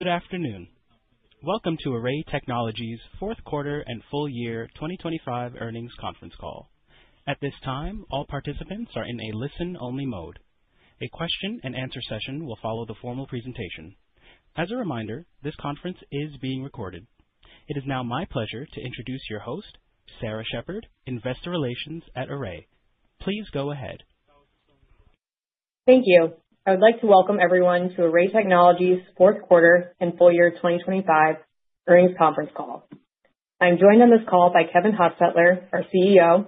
Good afternoon. Welcome to Array Technologies' Fourth Quarter and Full Year 2025 Earnings Conference Call. At this time, all participants are in a listen-only mode. A question and answer session will follow the formal presentation. As a reminder, this conference is being recorded. It is now my pleasure to introduce your host, Sarah Sheppard, Investor Relations at Array. Please go ahead. Thank you. I would like to welcome everyone to Array Technologies' Fourth Quarter and Full Year 2025 Earnings Conference Call. I'm joined on this call by Kevin Hostetler, our CEO,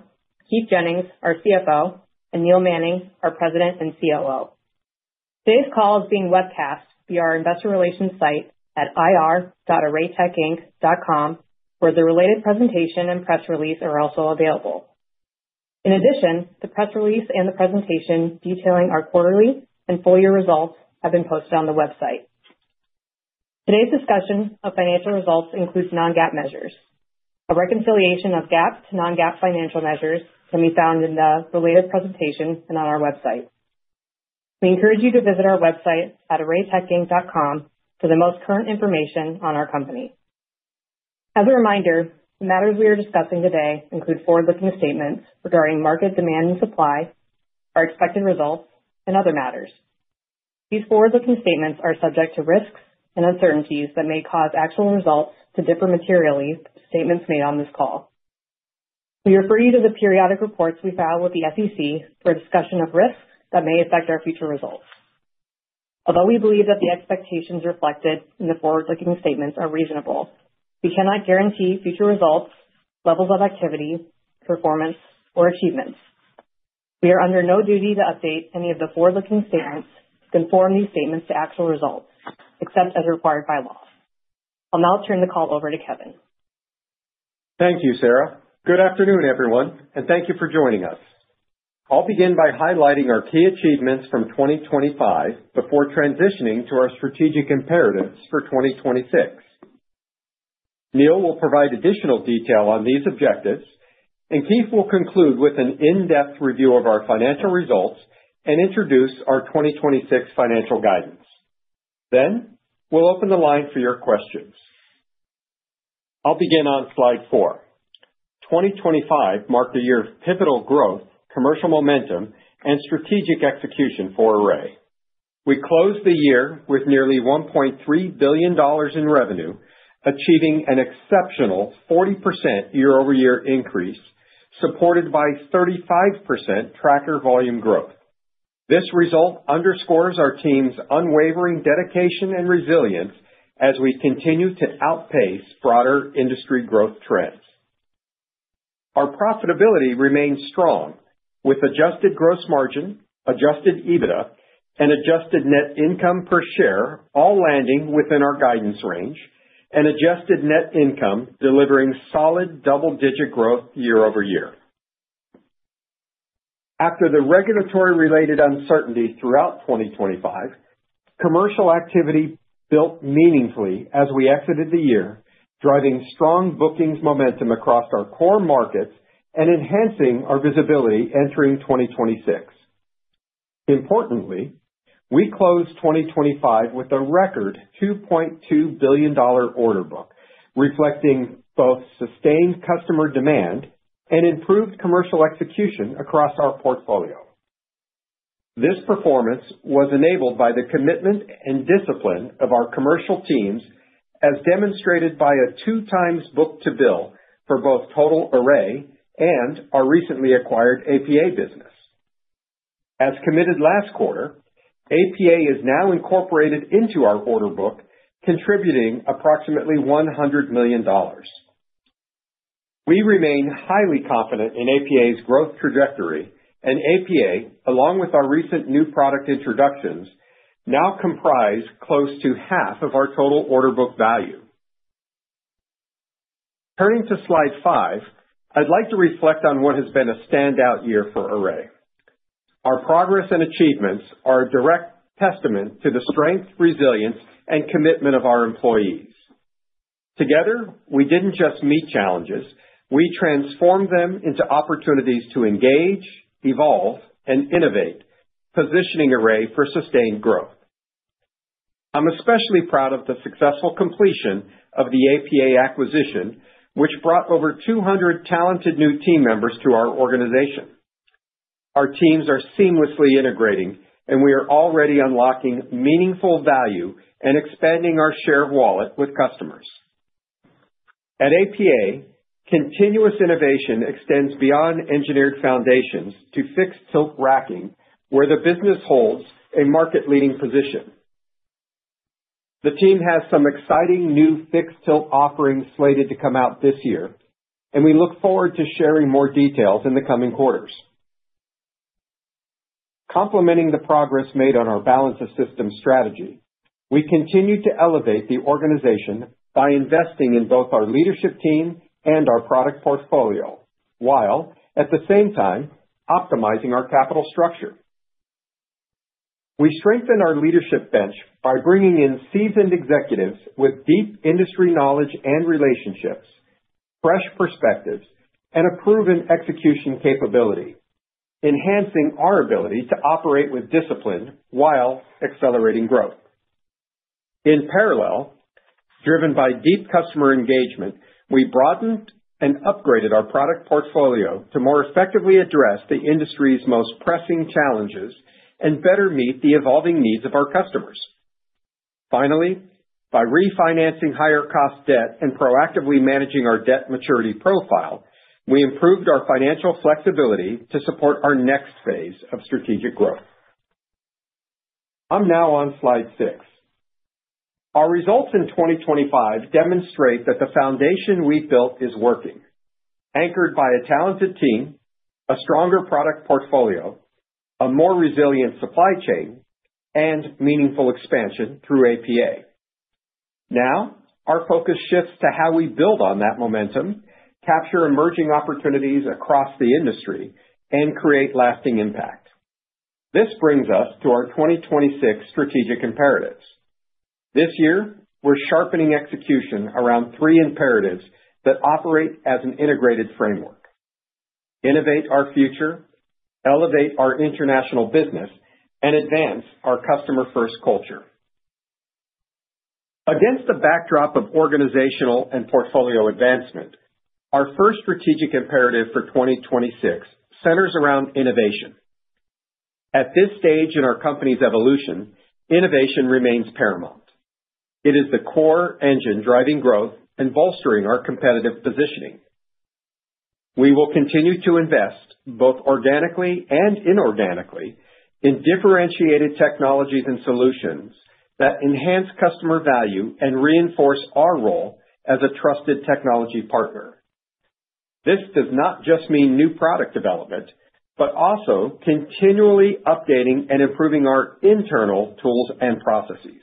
Keith Jennings, our CFO, and Neil Manning, our President and COO. Today's call is being webcast via our Investor Relations site at ir.arraytechinc.com, where the related presentation and press release are also available. In addition, the press release and the presentation detailing our quarterly and full year results have been posted on the website. Today's discussion of financial results includes non-GAAP measures. A reconciliation of GAAP to non-GAAP financial measures can be found in the related presentations and on our website. We encourage you to visit our website at arraytechinc.com for the most current information on our company. As a reminder, the matters we are discussing today include forward-looking statements regarding market demand and supply, our expected results, and other matters. These forward-looking statements are subject to risks and uncertainties that may cause actual results to differ materially from statements made on this call. We refer you to the periodic reports we file with the SEC for a discussion of risks that may affect our future results. Although we believe that the expectations reflected in the forward-looking statements are reasonable, we cannot guarantee future results, levels of activity, performance, or achievements. We are under no duty to update any of the forward-looking statements to conform these statements to actual results, except as required by law. I'll now turn the call over to Kevin. Thank you, Sarah. Good afternoon, everyone, and thank you for joining us. I'll begin by highlighting our key achievements from 2025 before transitioning to our strategic imperatives for 2026. Neil will provide additional detail on these objectives, and Keith will conclude with an in-depth review of our financial results and introduce our 2026 financial guidance. We'll open the line for your questions. I'll begin on Slide 4. 2025 marked a year of pivotal growth, commercial momentum, and strategic execution for Array. We closed the year with nearly $1.3 billion in revenue, achieving an exceptional 40% year-over-year increase, supported by 35% tracker volume growth. This result underscores our team's unwavering dedication and resilience as we continue to outpace broader industry growth trends. Our profitability remains strong, with adjusted gross margin, adjusted EBITDA, and adjusted net income per share, all landing within our guidance range, and adjusted net income delivering solid double-digit growth year-over-year. After the regulatory-related uncertainty throughout 2025, commercial activity built meaningfully as we exited the year, driving strong bookings momentum across our core markets and enhancing our visibility entering 2026. Importantly, we closed 2025 with a record $2.2 billion order book, reflecting both sustained customer demand and improved commercial execution across our portfolio. This performance was enabled by the commitment and discipline of our commercial teams, as demonstrated by a 2x book-to-bill for both total Array and our recently acquired APA business. As committed last quarter, APA is now incorporated into our order book, contributing approximately $100 million. We remain highly confident in APA's growth trajectory, and APA, along with our recent new product introductions, now comprise close to half of our total order book value. Turning to Slide 5, I'd like to reflect on what has been a standout year for Array. Our progress and achievements are a direct testament to the strength, resilience, and commitment of our employees. Together, we didn't just meet challenges, we transformed them into opportunities to engage, evolve, and innovate, positioning Array for sustained growth. I'm especially proud of the successful completion of the APA acquisition, which brought over 200 talented new team members to our organization. Our teams are seamlessly integrating, and we are already unlocking meaningful value and expanding our share of wallet with customers. At APA, continuous innovation extends beyond engineered foundations to fixed-tilt racking, where the business holds a market-leading position. The team has some exciting new fixed-tilt offerings slated to come out this year, and we look forward to sharing more details in the coming quarters. Complementing the progress made on our balance of systems strategy, we continue to elevate the organization by investing in both our leadership team and our product portfolio, while at the same time optimizing our capital structure. We strengthened our leadership bench by bringing in seasoned executives with deep industry knowledge and relationships.... fresh perspectives, and a proven execution capability, enhancing our ability to operate with discipline while accelerating growth. In parallel, driven by deep customer engagement, we broadened and upgraded our product portfolio to more effectively address the industry's most pressing challenges and better meet the evolving needs of our customers. Finally, by refinancing higher cost debt and proactively managing our debt maturity profile, we improved our financial flexibility to support our next phase of strategic growth. I'm now on Slide 6. Our results in 2025 demonstrate that the foundation we've built is working, anchored by a talented team, a stronger product portfolio, a more resilient supply chain, and meaningful expansion through APA. Our focus shifts to how we build on that momentum, capture emerging opportunities across the industry, and create lasting impact. This brings us to our 2026 strategic imperatives. This year, we're sharpening execution around three imperatives that operate as an integrated framework: innovate our future, elevate our international business, and advance our customer-first culture. Against the backdrop of organizational and portfolio advancement, our first strategic imperative for 2026 centers around innovation. At this stage in our company's evolution, innovation remains paramount. It is the core engine driving growth and bolstering our competitive positioning. We will continue to invest, both organically and inorganically, in differentiated technologies and solutions that enhance customer value and reinforce our role as a trusted technology partner. This does not just mean new product development, but also continually updating and improving our internal tools and processes.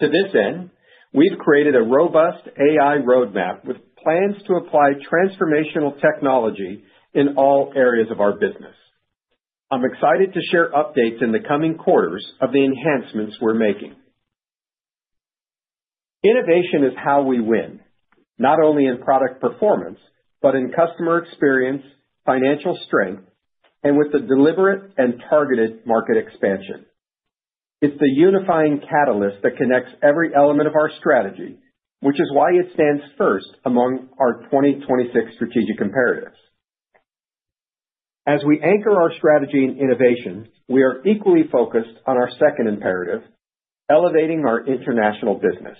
To this end, we've created a robust AI roadmap with plans to apply transformational technology in all areas of our business. I'm excited to share updates in the coming quarters of the enhancements we're making. Innovation is how we win, not only in product performance, but in customer experience, financial strength, and with a deliberate and targeted market expansion. It's the unifying catalyst that connects every element of our strategy, which is why it stands first among our 2026 strategic imperatives. As we anchor our strategy in innovation, we are equally focused on our second imperative, elevating our international business.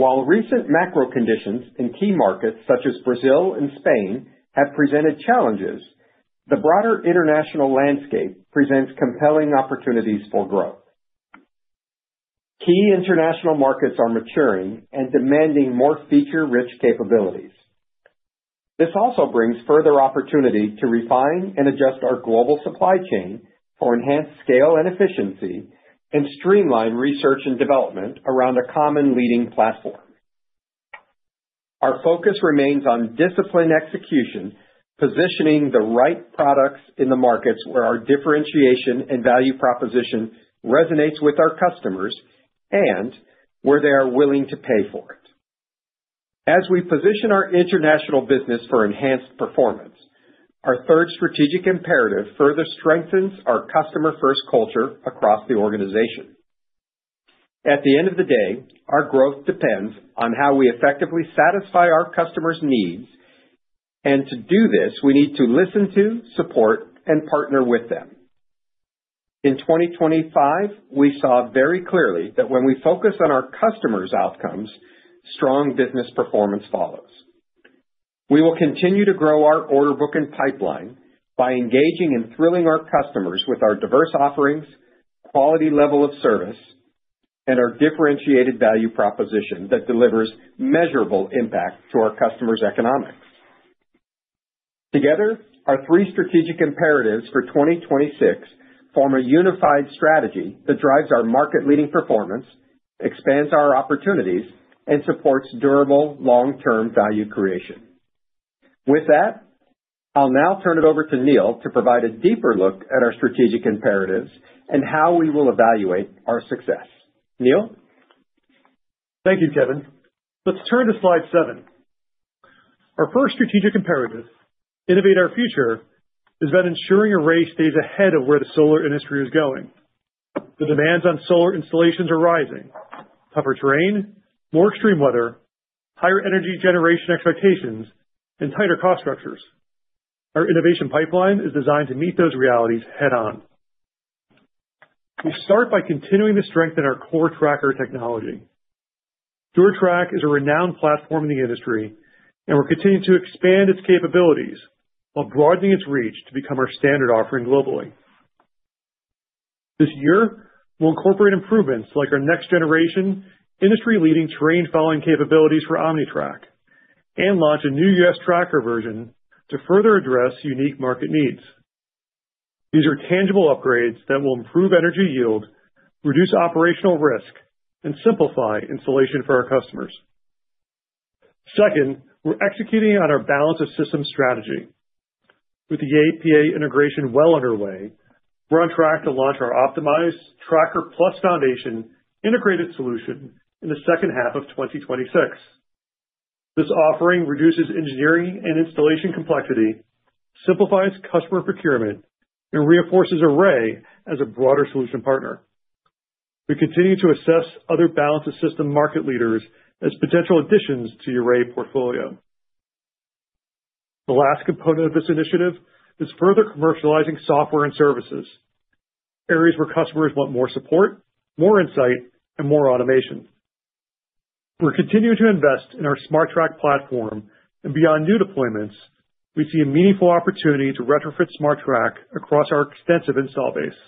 While recent macro conditions in key markets, such as Brazil and Spain, have presented challenges, the broader international landscape presents compelling opportunities for growth. Key international markets are maturing and demanding more feature-rich capabilities. This also brings further opportunity to refine and adjust our global supply chain for enhanced scale and efficiency, and streamline research and development around a common leading platform. Our focus remains on disciplined execution, positioning the right products in the markets where our differentiation and value proposition resonates with our customers and where they are willing to pay for it. As we position our international business for enhanced performance, our third strategic imperative further strengthens our customer-first culture across the organization. At the end of the day, our growth depends on how we effectively satisfy our customers' needs. To do this, we need to listen to, support, and partner with them. In 2025, we saw very clearly that when we focus on our customers' outcomes, strong business performance follows. We will continue to grow our order book and pipeline by engaging and thrilling our customers with our diverse offerings, quality level of service, and our differentiated value proposition that delivers measurable impact to our customers' economics. Together, our three strategic imperatives for 2026 form a unified strategy that drives our market-leading performance, expands our opportunities, and supports durable, long-term value creation. With that, I'll now turn it over to Neil to provide a deeper look at our strategic imperatives and how we will evaluate our success. Neil? Thank you, Kevin. Let's turn to Slide 7. Our first strategic imperative, innovate our future, is about ensuring Array stays ahead of where the solar industry is going. The demands on solar installations are rising: tougher terrain, more extreme weather, higher energy generation expectations, and tighter cost structures. Our innovation pipeline is designed to meet those realities head-on. We start by continuing to strengthen our core tracker technology. DuraTrack is a renowned platform in the industry, and we're continuing to expand its capabilities while broadening its reach to become our standard offering globally. This year, we'll incorporate improvements like our next generation, industry-leading terrain following capabilities for OmniTrack, and launch a new U.S. tracker version to further address unique market needs. These are tangible upgrades that will improve energy yield, reduce operational risk, and simplify installation for our customers. Second, we're executing on our balance of systems strategy. With the APA integration well underway, we're on track to launch our optimized TrackerPlus Foundation integrated solution in the second half of 2026. This offering reduces engineering and installation complexity, simplifies customer procurement, and reinforces Array as a broader solution partner. We continue to assess other balanced system market leaders as potential additions to the Array portfolio. The last component of this initiative is further commercializing software and services, areas where customers want more support, more insight, and more automation. We're continuing to invest in our SmarTrack platform, and beyond new deployments, we see a meaningful opportunity to retrofit SmarTrack across our extensive install base.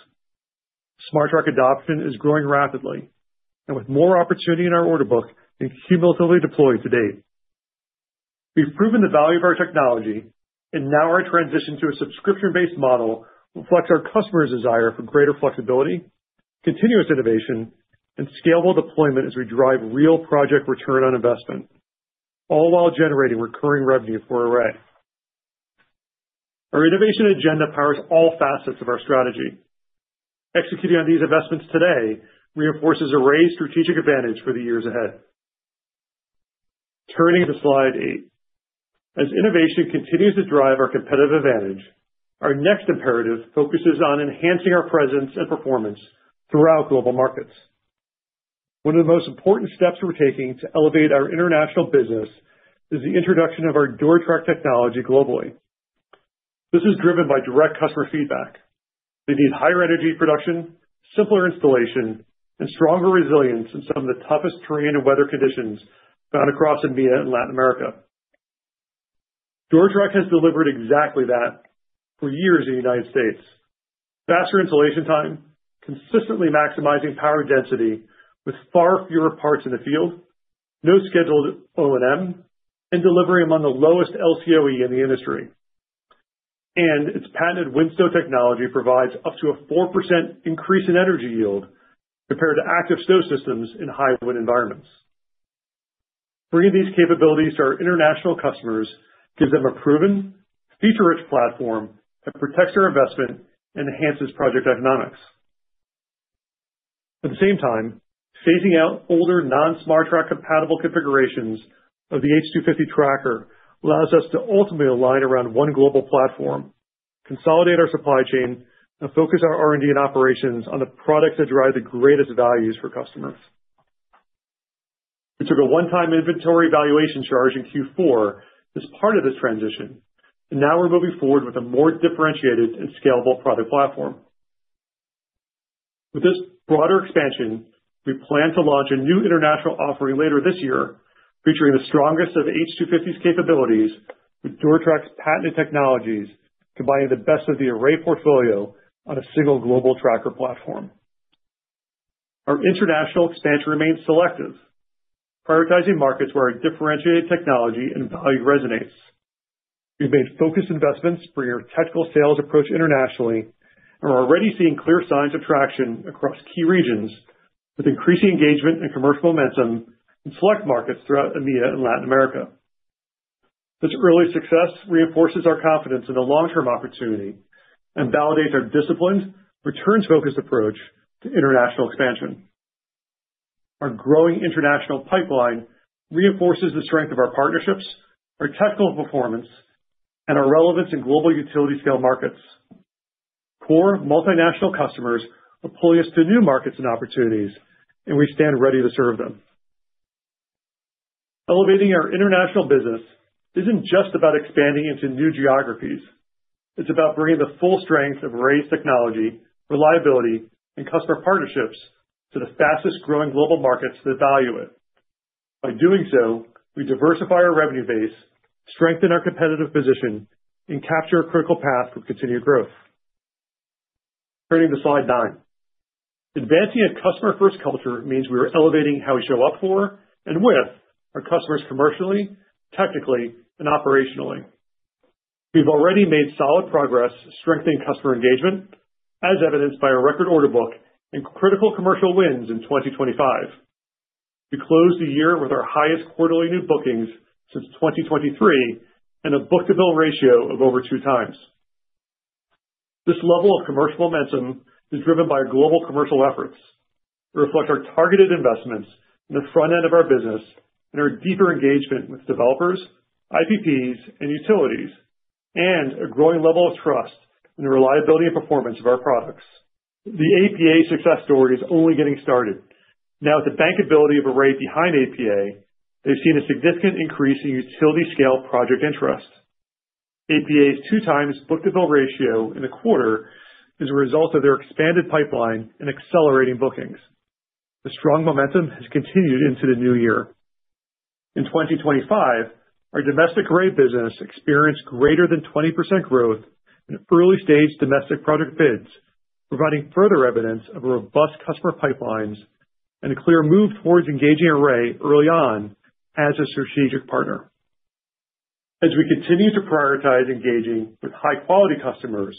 SmarTrack adoption is growing rapidly and with more opportunity in our order book than cumulatively deployed to date. We've proven the value of our technology, now our transition to a subscription-based model reflects our customers' desire for greater flexibility, continuous innovation, and scalable deployment as we drive real project return on investment, all while generating recurring revenue for Array. Our innovation agenda powers all facets of our strategy. Executing on these investments today reinforces Array's strategic advantage for the years ahead. Turning to Slide 8. As innovation continues to drive our competitive advantage, our next imperative focuses on enhancing our presence and performance throughout global markets. One of the most important steps we're taking to elevate our international business is the introduction of our DuraTrack technology globally. This is driven by direct customer feedback. They need higher energy production, simpler installation, and stronger resilience in some of the toughest terrain and weather conditions found across EMEA and Latin America. DuraTrack has delivered exactly that for years in the United States. Faster installation time, consistently maximizing power density with far fewer parts in the field, no scheduled O&M, and delivering among the lowest LCOE in the industry. Its patented wind stow technology provides up to a 4% increase in energy yield compared to active snow systems in high wind environments. Bringing these capabilities to our international customers gives them a proven, feature-rich platform that protects their investment and enhances project economics. At the same time, phasing out older, non-SmarTrack compatible configurations of the H250 tracker allows us to ultimately align around one global platform, consolidate our supply chain, and focus our R&D and operations on the products that drive the greatest values for customers. We took a one-time inventory valuation charge in Q4 as part of this transition, and now we're moving forward with a more differentiated and scalable product platform. With this broader expansion, we plan to launch a new international offering later this year, featuring the strongest of H250's capabilities with DuraTrack's patented technologies, combining the best of the Array portfolio on a single global tracker platform. Our international expansion remains selective, prioritizing markets where our differentiated technology and value resonates. We've made focused investments for your technical sales approach internationally and are already seeing clear signs of traction across key regions, with increasing engagement and commercial momentum in select markets throughout EMEA and Latin America. This early success reinforces our confidence in the long-term opportunity and validates our disciplined, returns-focused approach to international expansion. Our growing international pipeline reinforces the strength of our partnerships, our technical performance, and our relevance in global utility-scale markets. Core multinational customers pull us to new markets and opportunities, and we stand ready to serve them. Elevating our international business isn't just about expanding into new geographies. It's about bringing the full strength of Array's technology, reliability, and customer partnerships to the fastest growing global markets that value it. By doing so, we diversify our revenue base, strengthen our competitive position, and capture a critical path for continued growth. Turning to Slide 9. Advancing a customer-first culture means we are elevating how we show up for and with our customers commercially, technically, and operationally. We've already made solid progress strengthening customer engagement, as evidenced by our record order book and critical commercial wins in 2025. We closed the year with our highest quarterly new bookings since 2023 and a book-to-bill ratio of over 2x. This level of commercial momentum is driven by our global commercial efforts. It reflects our targeted investments in the front end of our business and our deeper engagement with developers, IPPs, and utilities, and a growing level of trust in the reliability and performance of our products. The APA success story is only getting started. With the bankability of Array behind APA, they've seen a significant increase in utility scale project interest. APA's 2x book-to-bill ratio in the quarter is a result of their expanded pipeline and accelerating bookings. The strong momentum has continued into the new year. In 2025, our domestic Array business experienced greater than 20% growth in early-stage domestic project bids, providing further evidence of robust customer pipelines and a clear move towards engaging Array early on as a strategic partner. As we continue to prioritize engaging with high-quality customers,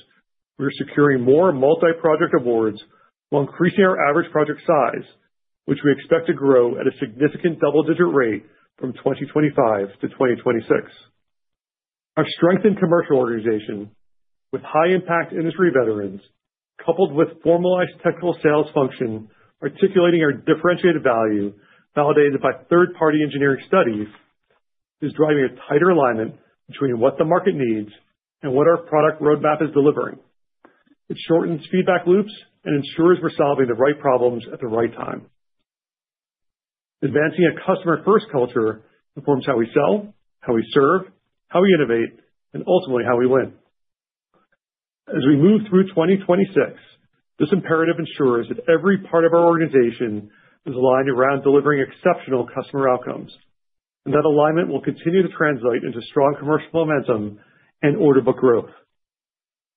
we are securing more multi-project awards while increasing our average project size, which we expect to grow at a significant double-digit rate from 2025-2026. Our strengthened commercial organization, with high-impact industry veterans, coupled with formalized technical sales function, articulating our differentiated value, validated by third-party engineering studies, is driving a tighter alignment between what the market needs and what our product roadmap is delivering. It shortens feedback loops and ensures we're solving the right problems at the right time. Advancing a customer first culture informs how we sell, how we serve, how we innovate, and ultimately, how we win. As we move through 2026, this imperative ensures that every part of our organization is aligned around delivering exceptional customer outcomes, and that alignment will continue to translate into strong commercial momentum and order book growth.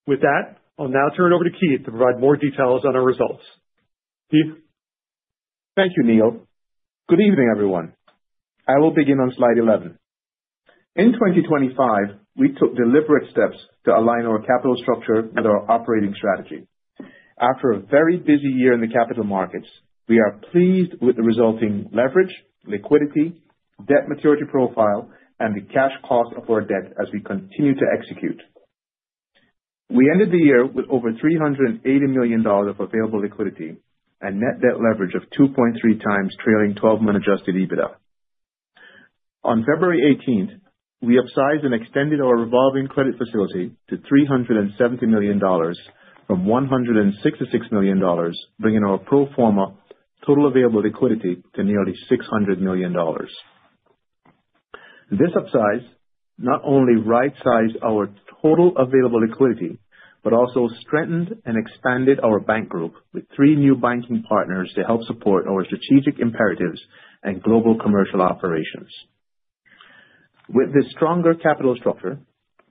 With that, I'll now turn it over to Keith to provide more details on our results. Keith? Thank you, Neil. Good evening, everyone. I will begin on Slide 11. In 2025, we took deliberate steps to align our capital structure with our operating strategy. After a very busy year in the capital markets, we are pleased with the resulting leverage, liquidity, debt maturity profile, and the cash cost of our debt as we continue to execute. We ended the year with over $380 million of available liquidity and net debt leverage of 2.3x trailing 12-month adjusted EBITDA. On February 18th, we upsized and extended our revolving credit facility to $370 million from $166 million, bringing our pro forma total available liquidity to nearly $600 million. This upsize not only right-sized our total available liquidity, but also strengthened and expanded our bank group with 3 new banking partners to help support our strategic imperatives and global commercial operations. With this stronger capital structure,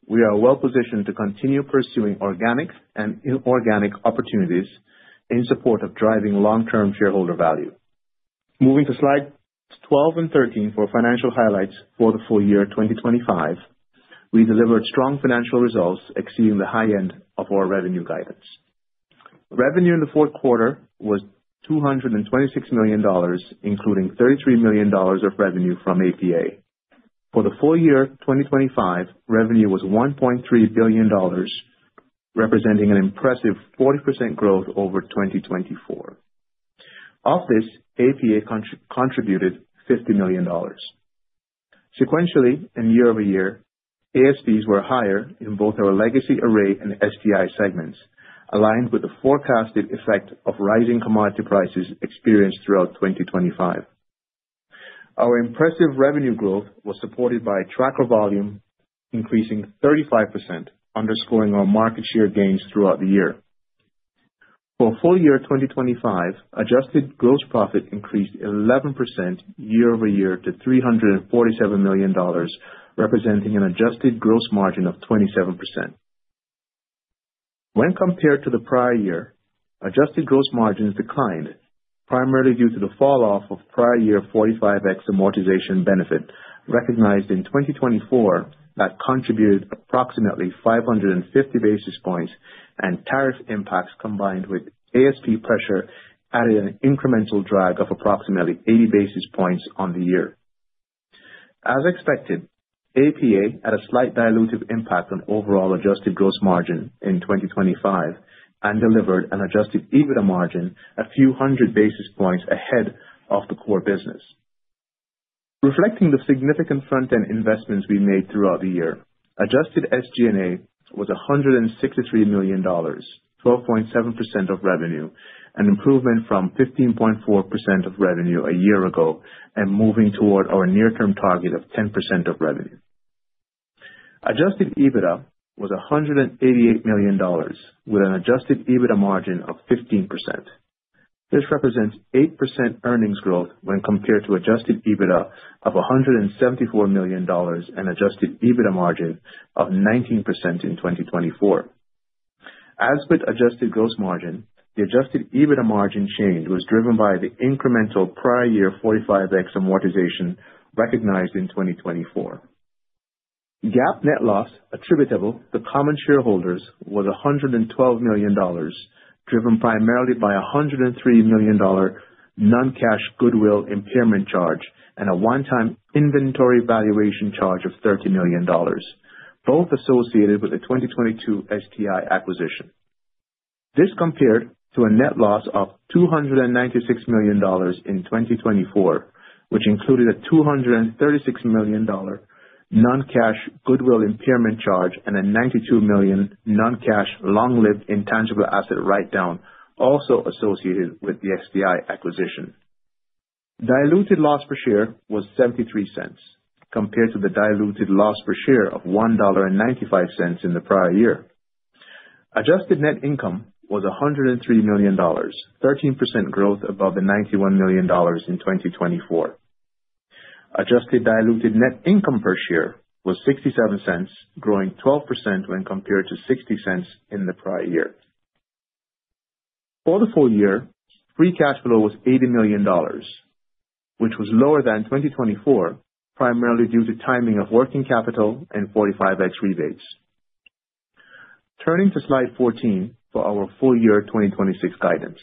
we are well positioned to continue pursuing organic and inorganic opportunities in support of driving long-term shareholder value. Moving to Slides 12 and 13 for financial highlights for the full year 2025, we delivered strong financial results exceeding the high end of our revenue guidance. Revenue in the fourth quarter was $226 million, including $33 million of revenue from APA. For the full year 2025, revenue was $1.3 billion, representing an impressive 40% growth over 2024. Of this, APA contributed $50 million. Sequentially and year-over-year, ASPs were higher in both our legacy Array and STI segments, aligned with the forecasted effect of rising commodity prices experienced throughout 2025. Our impressive revenue growth was supported by tracker volume, increasing 35%, underscoring our market share gains throughout the year. For full year 2025, adjusted gross profit increased 11% year-over-year to $347 million, representing an adjusted gross margin of 27%. When compared to the prior year, adjusted gross margins declined, primarily due to the falloff of prior year 45X amortization benefit recognized in 2024, that contributed approximately 550 basis points, and tariff impacts, combined with ASP pressure, added an incremental drag of approximately 80 basis points on the year. As expected, APA had a slight dilutive impact on overall adjusted gross margin in 2025 and delivered an adjusted EBITDA margin a few hundred basis points ahead of the core business. Reflecting the significant front-end investments we made throughout the year, adjusted SG&A was $163 million, 12.7% of revenue, an improvement from 15.4% of revenue a year ago, and moving toward our near-term target of 10% of revenue. Adjusted EBITDA was $188 million, with an adjusted EBITDA margin of 15%. This represents 8% earnings growth when compared to adjusted EBITDA of $174 million and adjusted EBITDA margin of 19% in 2024. As with adjusted gross margin, the adjusted EBITDA margin change was driven by the incremental prior year 45X amortization recognized in 2024. GAAP net loss attributable to common shareholders was $112 million, driven primarily by a $103 million non-cash goodwill impairment charge and a one-time inventory valuation charge of $30 million, both associated with the 2022 STI acquisition. This compared to a net loss of $296 million in 2024, which included a $236 million non-cash goodwill impairment charge and a $92 million non-cash, long-lived, intangible asset write-down, also associated with the STI acquisition. Diluted loss per share was $0.73, compared to the diluted loss per share of $1.95 in the prior year. Adjusted net income was $103 million, 13% growth above the $91 million in 2024. Adjusted diluted net income per share was $0.67, growing 12% when compared to $0.60 in the prior year. For the full year, free cash flow was $80 million, which was lower than in 2024, primarily due to timing of working capital and 45X rebates. Turning to Slide 14 for our full year 2026 guidance.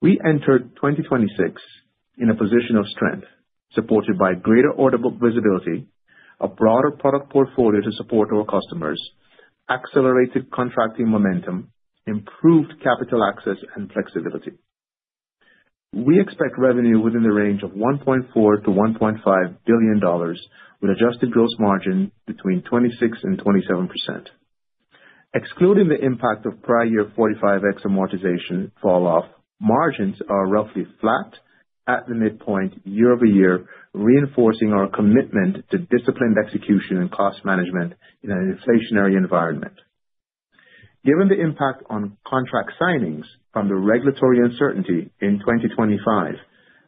We entered 2026 in a position of strength, supported by greater order book visibility, a broader product portfolio to support our customers, accelerated contracting momentum, improved capital access and flexibility. We expect revenue within the range of $1.4 billion-$1.5 billion, with adjusted gross margin between 26%-27%. Excluding the impact of prior year 45X amortization falloff, margins are roughly flat at the midpoint year-over-year, reinforcing our commitment to disciplined execution and cost management in an inflationary environment. Given the impact on contract signings from the regulatory uncertainty in 2025,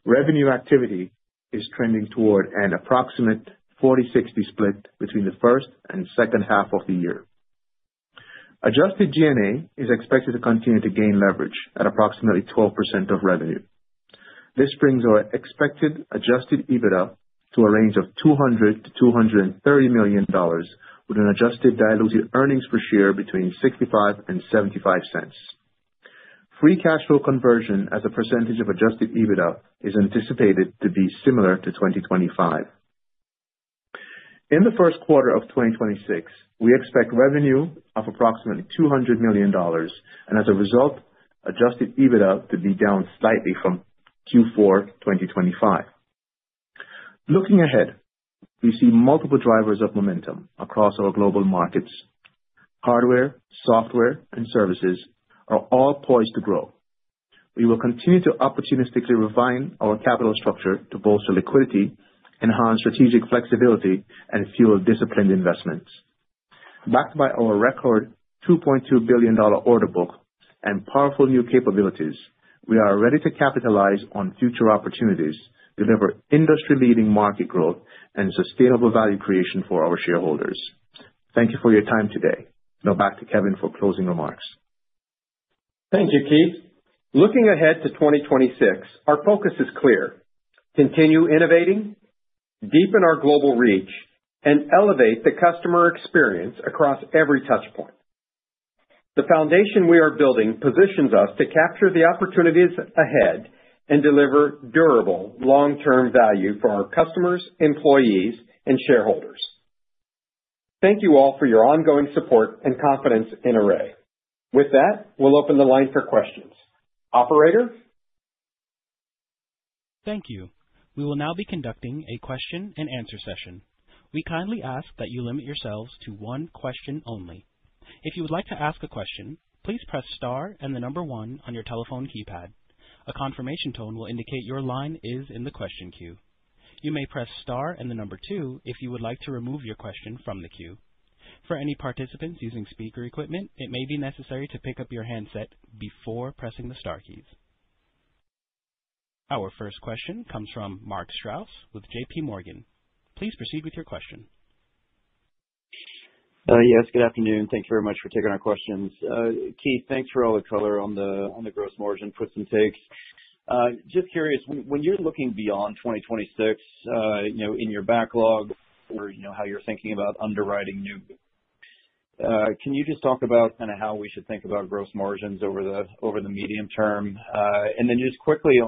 revenue activity is trending toward an approximate 40-60 split between the first and second half of the year. Adjusted G&A is expected to continue to gain leverage at approximately 12% of revenue. This brings our expected adjusted EBITDA to a range of $200 million-$230 million, with an adjusted dilutive earnings per share between $0.65 and $0.75. Free cash flow conversion as a percentage of adjusted EBITDA is anticipated to be similar to 2025. In the first quarter of 2026, we expect revenue of approximately $200 million and as a result, adjusted EBITDA to be down slightly from Q4 2025. Looking ahead, we see multiple drivers of momentum across our global markets. Hardware, software, and services are all poised to grow. We will continue to opportunistically refine our capital structure to bolster liquidity, enhance strategic flexibility, and fuel disciplined investments. Backed by our record $2.2 billion order book and powerful new capabilities, we are ready to capitalize on future opportunities, deliver industry-leading market growth, and sustainable value creation for our shareholders. Thank you for your time today. Now back to Kevin for closing remarks. Thank you, Keith. Looking ahead to 2026, our focus is clear: continue innovating, deepen our global reach, and elevate the customer experience across every touch point. The foundation we are building positions us to capture the opportunities ahead and deliver durable, long-term value for our customers, employees, and shareholders. Thank you all for your ongoing support and confidence in Array. With that, we'll open the line for questions. Operator? Thank you. We will now be conducting a question and answer session. We kindly ask that you limit yourselves to one question only. If you would like to ask a question, please press star and the number one on your telephone keypad. A confirmation tone will indicate your line is in the question queue. You may press star and the number two if you would like to remove your question from the queue. For any participants using speaker equipment, it may be necessary to pick up your handset before pressing the star keys. Our first question comes from Mark Strouse with J.P. Morgan. Please proceed with your question. Yes, good afternoon. Thank you very much for taking our questions. Keith, thanks for all the color on the gross margin puts and takes. Just curious, when you're looking beyond 2026, you know, in your backlog or you know, how you're thinking about underwriting new, can you just talk about kind of how we should think about gross margins over the medium term? Just quickly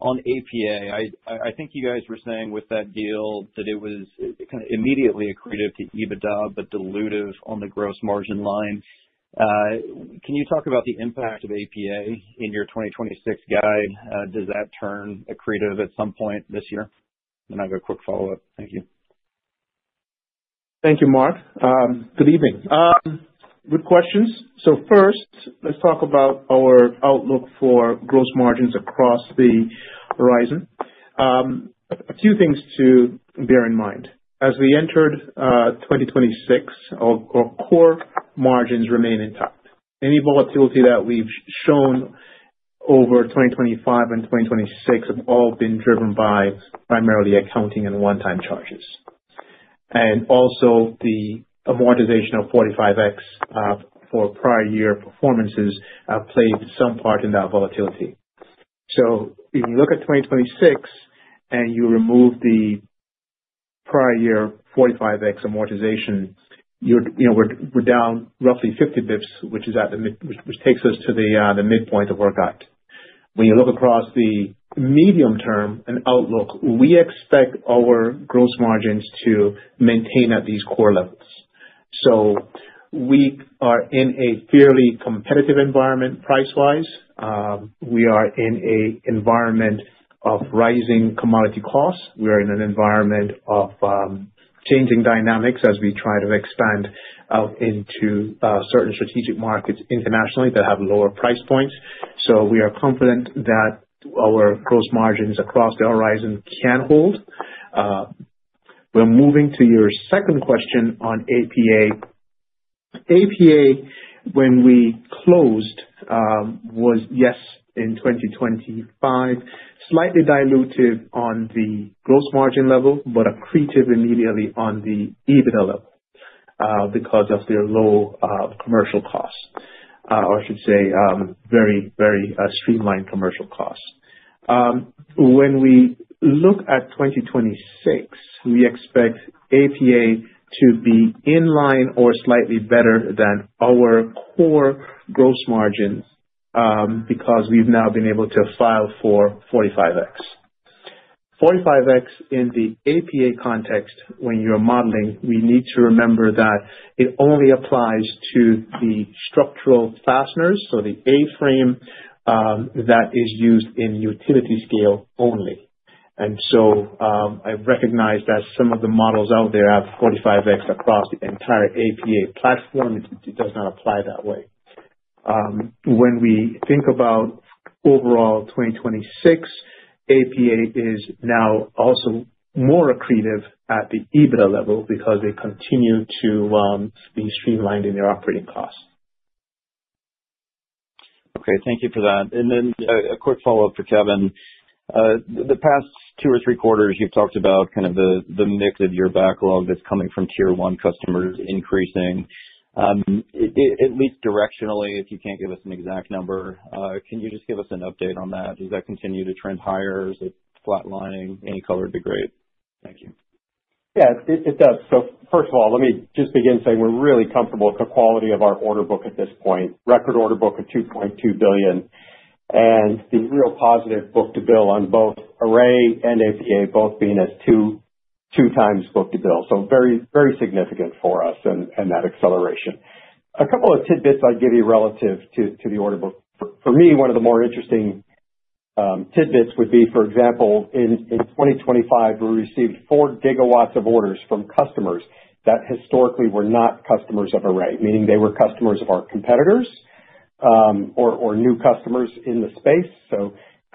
on APA, I think you guys were saying with that deal that it was kind of immediately accretive to EBITDA, but dilutive on the gross margin line. Can you talk about the impact of APA in your 2026 guide? Does that turn accretive at some point this year? I've got a quick follow-up. Thank you. Thank you, Mark. Good evening. Good questions. First, let's talk about our outlook for gross margins across the horizon. A few things to bear in mind. As we entered 2026, our core margins remain intact. Any volatility that we've shown over 2025 and 2026 have all been driven by primarily accounting and one-time charges. Also the amortization of 45X for prior year performances played some part in that volatility. If you look at 2026 and you remove the prior year 45X amortization, you know, we're down roughly 50 bps, which takes us to the midpoint of our guide. When you look across the medium term and outlook, we expect our gross margins to maintain at these core levels. We are in a fairly competitive environment price-wise. We are in an environment of rising commodity costs. We are in an environment of changing dynamics as we try to expand out into certain strategic markets internationally that have lower price points. We are confident that our gross margins across the horizon can hold. We're moving to your second question on APA. APA, when we closed, was yes, in 2025, slightly diluted on the gross margin level, but accretive immediately on the EBITDA level, because of their low commercial costs, or I should say, streamlined commercial costs. When we look at 2026, we expect APA to be in line or slightly better than our core gross margins, because we've now been able to file for 45X. 45X in the APA context, when you're modeling, we need to remember that it only applies to the structural fasteners, so the A frame that is used in utility scale only. I recognize that some of the models out there have 45X across the entire APA platform. It does not apply that way. When we think about overall 2026, APA is now also more accretive at the EBITDA level because they continue to be streamlined in their operating costs. Okay, thank you for that. A quick follow-up for Kevin. The past two or three quarters, you've talked about kind of the mix of your backlog that's coming from Tier 1 customers increasing. At least directionally, if you can't give us an exact number, can you just give us an update on that? Does that continue to trend higher? Is it flatlining? Any color would be great. Thank you. Yeah, it does. First of all, let me just begin saying we're really comfortable with the quality of our order book at this point. Record order book of $2.2 billion, and the real positive book-to-bill on both Array and APA both being at 2x book-to-bill, very, very significant for us and that acceleration. A couple of tidbits I'd give you relative to the order book. For me, one of the more interesting tidbits would be, for example, in 2025, we received 4 gigawatts of orders from customers that historically were not customers of Array, meaning they were customers of our competitors, or new customers in the space.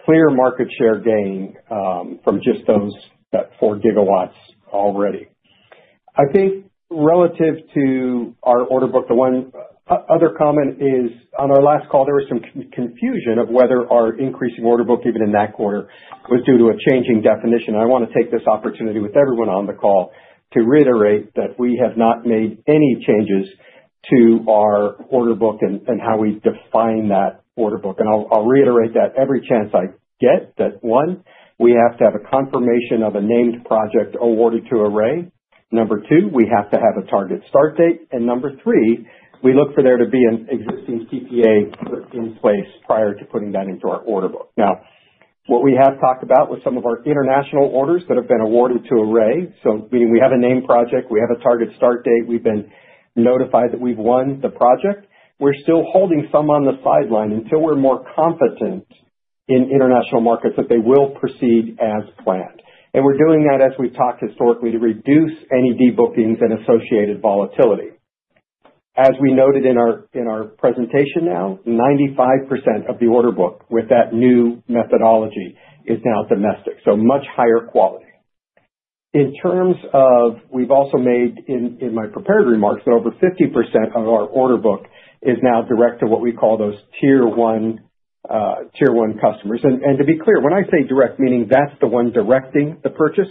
Clear market share gain from just those 4 gigawatts already. I think relative to our order book, the other comment is, on our last call, there was some confusion of whether our increasing order book, even in that quarter, was due to a changing definition. I want to take this opportunity with everyone on the call to reiterate that we have not made any changes to our order book and how we define that order book. I'll reiterate that every chance I get that, one, we have to have a confirmation of a named project awarded to Array. Number two, we have to have a target start date. Number three, we look for there to be an existing PPA in place prior to putting that into our order book. What we have talked about with some of our international orders that have been awarded to Array, meaning we have a name project, we have a target start date, we've been notified that we've won the project. We're still holding some on the sideline until we're more confident in international markets that they will proceed as planned. We're doing that, as we've talked historically, to reduce any debookings and associated volatility. As we noted in our presentation, 95% of the order book with that new methodology is now domestic, so much higher quality. We've also made in my prepared remarks that over 50% of our order book is now direct to what we call those Tier 1, Tier 1 customers. To be clear, when I say direct, meaning that's the one directing the purchase.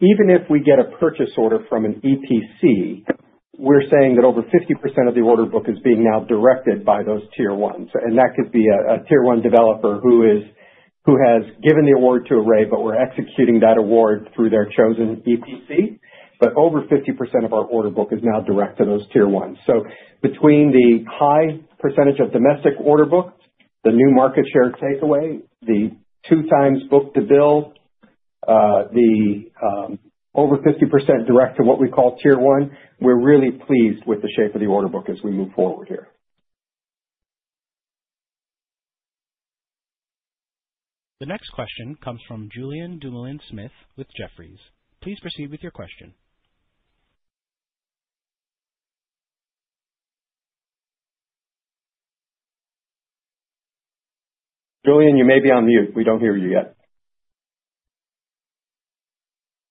Even if we get a purchase order from an EPC, we're saying that over 50% of the order book is being now directed by those Tier 1s, that could be a Tier 1 one developer who has given the award to Array, but we're executing that award through their chosen EPC. Over 50% of our order book is now direct to those Tier 1s. Between the high percentage of domestic order books, the new market share takeaway, the 2x book-to-bill, the over 50% direct to what we call Tier 1, we're really pleased with the shape of the order book as we move forward here. The next question comes from Julien Dumoulin-Smith with Jefferies. Please proceed with your question. Julien, you may be on mute. We don't hear you yet.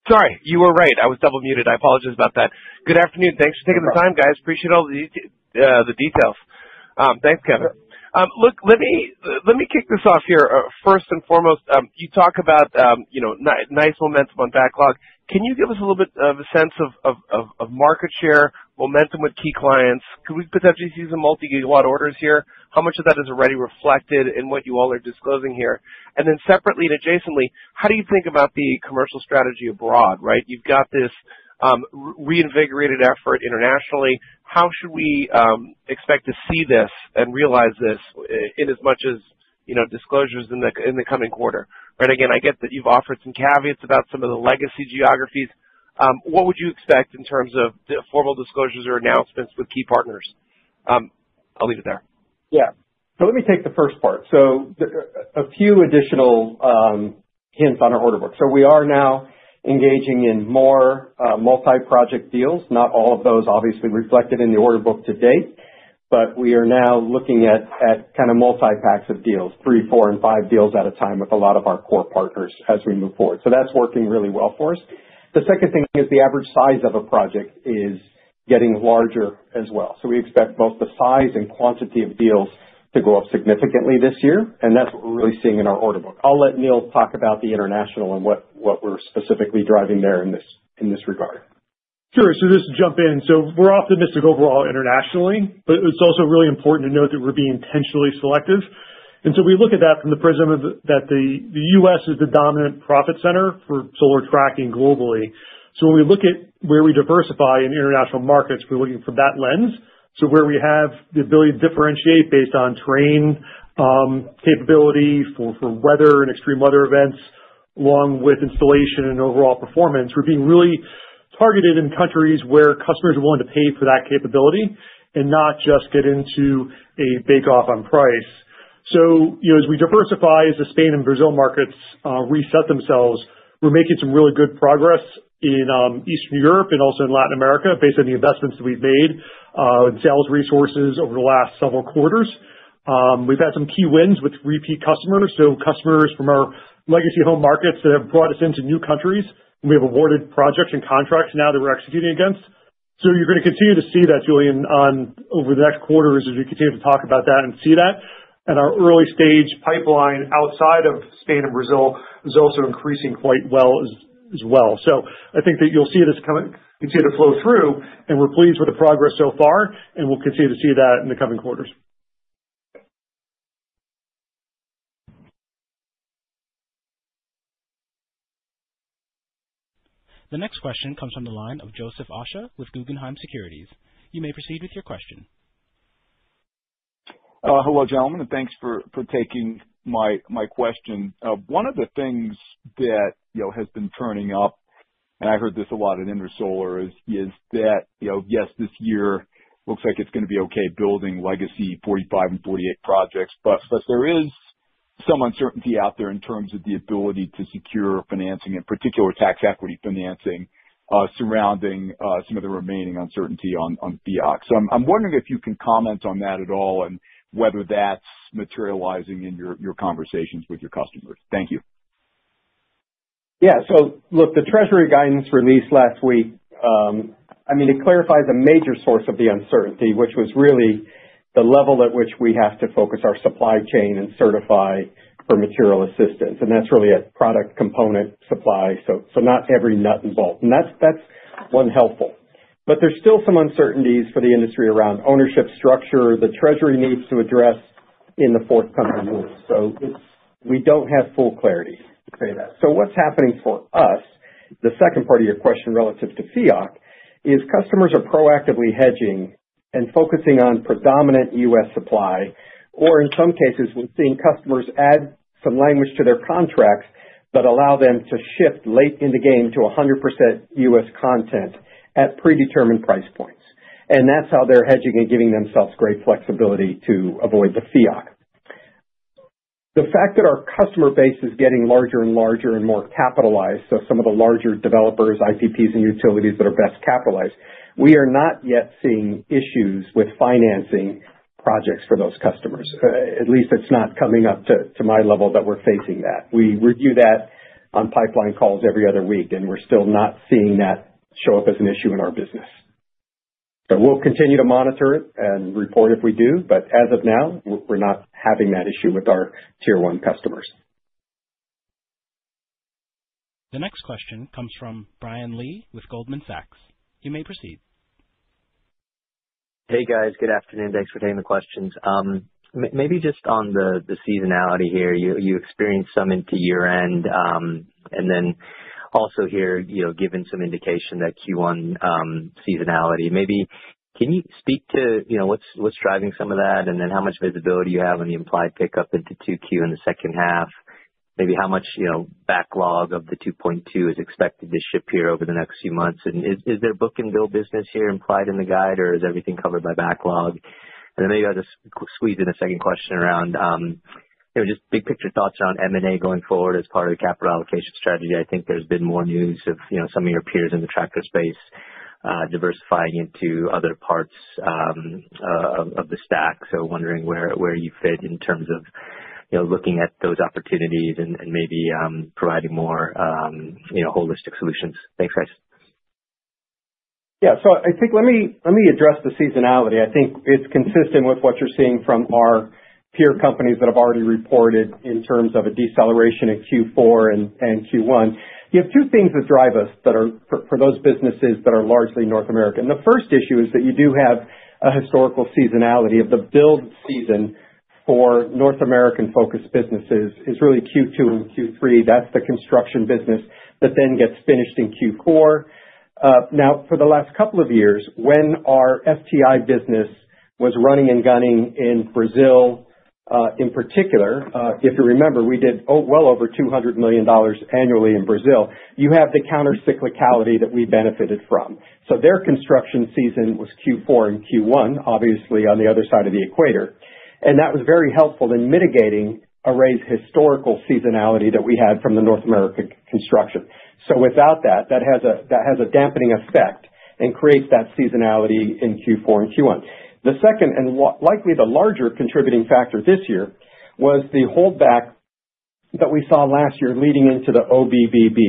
Sorry, you were right. I was double muted. I apologize about that. Good afternoon. Thanks for taking the time, guys. Appreciate all the details. Thanks, Kevin. Look, let me kick this off here. First and foremost, you talk about, you know, nice momentum on backlog. Can you give us a little bit of a sense of market share momentum with key clients? Can we potentially see some multi-gigawatt orders here? How much of that is already reflected in what you all are disclosing here? Separately and adjacently, how do you think about the commercial strategy abroad, right? You've got this reinvigorated effort internationally. How should we expect to see this and realize this in as much as, you know, disclosures in the coming quarter? Again, I get that you've offered some caveats about some of the legacy geographies. What would you expect in terms of the formal disclosures or announcements with key partners? I'll leave it there. Let me take the first part. There are a few additional hints on our order book. We are now engaging in more multi-project deals. Not all of those obviously reflected in the order book to date, but we are now looking at kind of multi-packs of deals, three, four, and five deals at a time with a lot of our core partners as we move forward. That's working really well for us. The second thing is the average size of a project is getting larger as well. We expect both the size and quantity of deals to go up significantly this year, and that's what we're really seeing in our order book. I'll let Neil talk about the international and what we're specifically driving there in this regard. Just to jump in, so we're optimistic overall internationally, but it's also really important to note that we're being intentionally selective. We look at that from the prism of that the U.S. is the dominant profit center for solar tracking globally. When we look at where we diversify in international markets, we're looking from that lens. Where we have the ability to differentiate based on terrain, capability for weather and extreme weather events, along with installation and overall performance, we're being really targeted in countries where customers are willing to pay for that capability and not just get into a bake off on price. You know, as we diversify, as the Spain and Brazil markets reset themselves, we're making some really good progress in Eastern Europe and also in Latin America, based on the investments that we've made in sales resources over the last several quarters. We've had some key wins with repeat customers, so customers from our legacy home markets that have brought us into new countries, and we have awarded projects and contracts now that we're executing against. You're gonna continue to see that, Julien, on, over the next quarters as we continue to talk about that and see that. Our early stage pipeline outside of Spain and Brazil is also increasing quite well as well. I think that you'll see it flow through, and we're pleased with the progress so far, and we'll continue to see that in the coming quarters. The next question comes from the line of Joseph Osha with Guggenheim Securities. You may proceed with your question. Hello, gentlemen, and thanks for taking my question. One of the things that, you know, has been turning up, and I heard this a lot at Intersolar, is that, you know, yes, this year looks like it's gonna be okay building legacy 45 and 48 projects. There is some uncertainty out there in terms of the ability to secure financing, in particular tax equity financing, surrounding some of the remaining uncertainty on FEOC. I'm wondering if you can comment on that at all and whether that's materializing in your conversations with your customers. Thank you. Yeah. Look, the Treasury guidance released last week, I mean, it clarifies a major source of the uncertainty, which was really the level at which we have to focus our supply chain and certify for material assistance, and that's really a product component supply, so not every nut and bolt, and that's been helpful. There's still some uncertainties for the industry around ownership structure the Treasury needs to address in the fourth country rule. We don't have full clarity to say that. What's happening for us, the second part of your question relative to FEOC, is customers are proactively hedging and focusing on predominant U.S. supply, or in some cases, we're seeing customers add some language to their contracts that allow them to shift late in the game to 100% U.S. content at predetermined price points. That's how they're hedging and giving themselves great flexibility to avoid the FEOC. The fact that our customer base is getting larger and larger and more capitalized, so some of the larger developers, IPPs and utilities that are best capitalized, we are not yet seeing issues with financing projects for those customers. At least it's not coming up to my level that we're facing that. We review that on pipeline calls every other week, and we're still not seeing that show up as an issue in our business. We'll continue to monitor it and report if we do, but as of now, we're not having that issue with our Tier 1 customers. The next question comes from Brian Lee with Goldman Sachs. You may proceed. Hey, guys. Good afternoon. Thanks for taking the questions. Maybe just on the seasonality here, you experienced some into year-end, and then also here, you know, given some indication that Q1 seasonality, maybe can you speak to, you know, what's driving some of that, and then how much visibility you have on the implied pickup into 2Q in the second half? Maybe how much, you know, backlog of the $2.2 billion is expected to ship here over the next few months, and is there book-to-bill business here implied in the guide, or is everything covered by backlog? Maybe I'll just squeeze in a second question around, you know, just big picture thoughts around M&A going forward as part of your capital allocation strategy. I think there's been more news of, you know, some of your peers in the tracker space, diversifying into other parts of the stack. Wondering where you fit in terms of, you know, looking at those opportunities and maybe providing more, you know, holistic solutions. Thanks, guys. Yeah. I think let me address the seasonality. I think it's consistent with what you're seeing from our peer companies that have already reported in terms of a deceleration in Q4 and Q1. You have two things that drive us that are for those businesses that are largely North American. The first issue is that you do have a historical seasonality of the build season for North American-focused businesses, is really Q2 and Q3. That's the construction business that then gets finished in Q4. Now, for the last couple of years, when our STI business was running and gunning in Brazil, in particular, if you remember, we did well over $200 million annually in Brazil. You have the countercyclicality that we benefited from. Their construction season was Q4 and Q1, obviously on the other side of the equator, and that was very helpful in mitigating Array's historical seasonality that we had from the North American construction. Without that has a dampening effect and creates that seasonality in Q4 and Q1. The second, likely the larger contributing factor this year, was the holdback that we saw last year leading into the OBBB.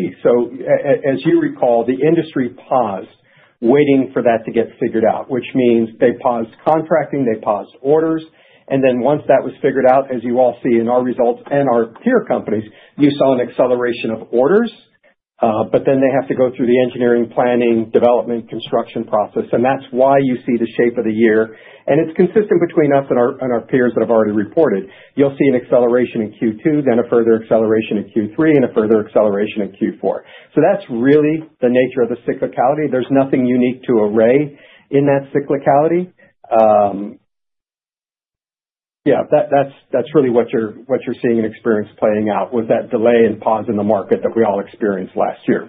As you recall, the industry paused, waiting for that to get figured out, which means they paused contracting, they paused orders, once that was figured out, as you all see in our results and our peer companies, you saw an acceleration of orders. They have to go through the engineering, planning, development, construction process, and that's why you see the shape of the year, and it's consistent between us and our, and our peers that have already reported. You'll see an acceleration in Q2, a further acceleration in Q3, and a further acceleration in Q4. That's really the nature of the cyclicality. There's nothing unique to Array in that cyclicality. That's really what you're, what you're seeing and experience playing out, was that delay and pause in the market that we all experienced last year.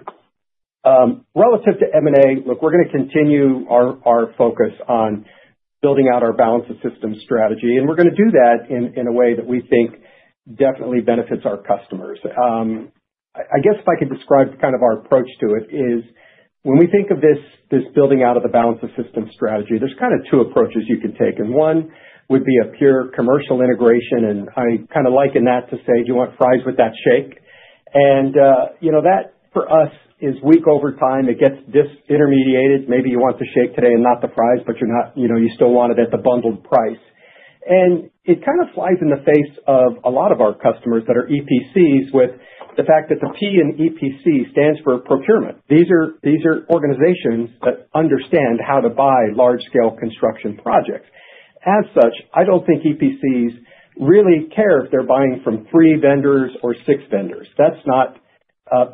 Relative to M&A, look, we're gonna continue our focus on building out our balance of systems strategy, and we're gonna do that in a way that we think definitely benefits our customers. I guess if I could describe kind of our approach to it, is when we think of this building out of the balance of systems strategy, there's kind of two approaches you can take, and one would be a pure commercial integration, and I kind of liken that to say, "Do you want fries with that shake?" You know, that, for us, is weak over time. It gets disintermediated. Maybe you want the shake today and not the fries, but you know, you still want it at the bundled price. It kind of flies in the face of a lot of our customers that are EPCs with the fact that the P in EPC stands for Procurement. These are organizations that understand how to buy large scale construction projects. As such, I don't think EPCs really care if they're buying from 3 vendors or 6 vendors. That's not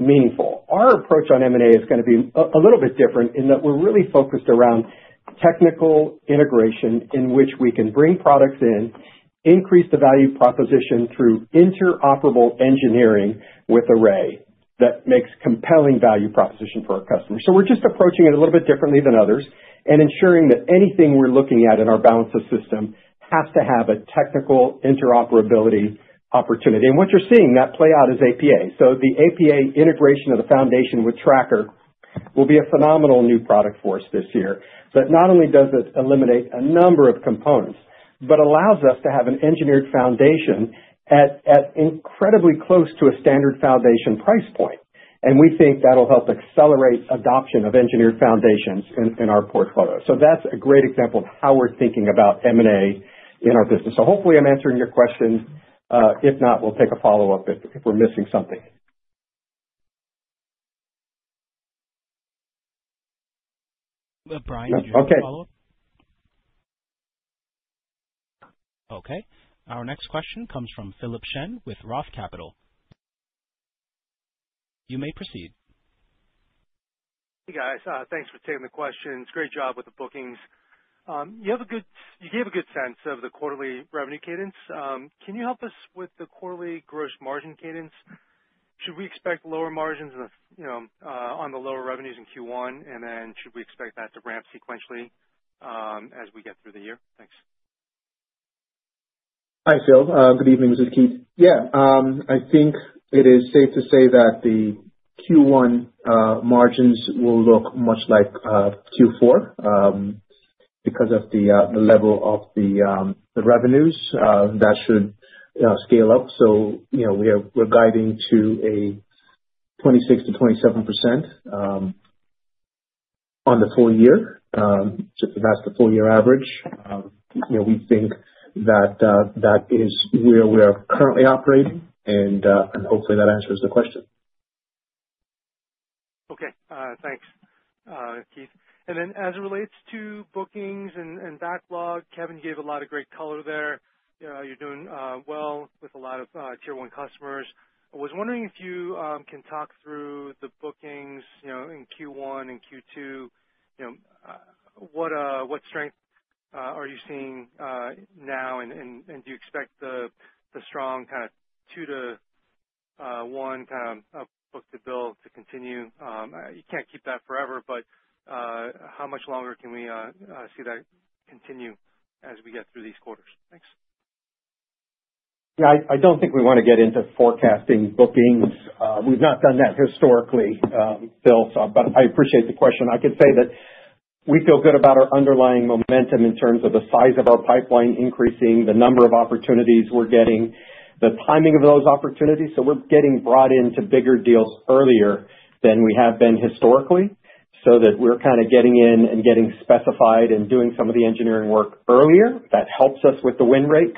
meaningful. Our approach on M&A is gonna be a little bit different in that we're really focused around technical integration, in which we can bring products in, increase the value proposition through interoperable engineering with Array that makes compelling value proposition for our customers. We're just approaching it a little bit differently than others and ensuring that anything we're looking at in our balance of system has to have a technical interoperability opportunity. What you're seeing that play out is APA. The APA integration of the foundation with Tracker will be a phenomenal new product for us this year, that not only does it eliminate a number of components, but allows us to have an engineered foundation at incredibly close to a standard foundation price point. We think that'll help accelerate adoption of engineered foundations in our portfolio. That's a great example of how we're thinking about M&A in our business. Hopefully I'm answering your question. If not, we'll take a follow-up if we're missing something. Brian, did you have a follow-up? Okay. Our next question comes from Philip Shen with Roth Capital. You may proceed. Hey, guys. Thanks for taking the questions. Great job with the bookings. You gave a good sense of the quarterly revenue cadence. Can you help us with the quarterly gross margin cadence? Should we expect lower margins in the, you know, on the lower revenues in Q1, and then should we expect that to ramp sequentially, as we get through the year? Thanks. Hi, Phil. Good evening. This is Keith. Yeah. I think it is safe to say that the Q1 margins will look much like Q4 because of the level of the revenues. That should scale up. You know, we're guiding to a 26%-27% on the full year. That's the full year average. You know, we think that that is where we are currently operating, and hopefully that answers the question. Okay. Thanks, Keith. As it relates to bookings and backlog, Kevin gave a lot of great color there. You're doing well with a lot of Tier 1 customers. I was wondering if you can talk through the bookings, you know, in Q1 and Q2. You know, what strength are you seeing now, and do you expect the strong kind of 2 to 1 kind of book-to-bill to continue? You can't keep that forever, but how much longer can we see that continue as we get through these quarters? Thanks. I don't think we want to get into forecasting bookings. We've not done that historically, Phil, so, but I appreciate the question. I can say that we feel good about our underlying momentum in terms of the size of our pipeline increasing, the number of opportunities we're getting, the timing of those opportunities. We're getting brought into bigger deals earlier than we have been historically, so that we're kind of getting in and getting specified and doing some of the engineering work earlier. That helps us with the win rate.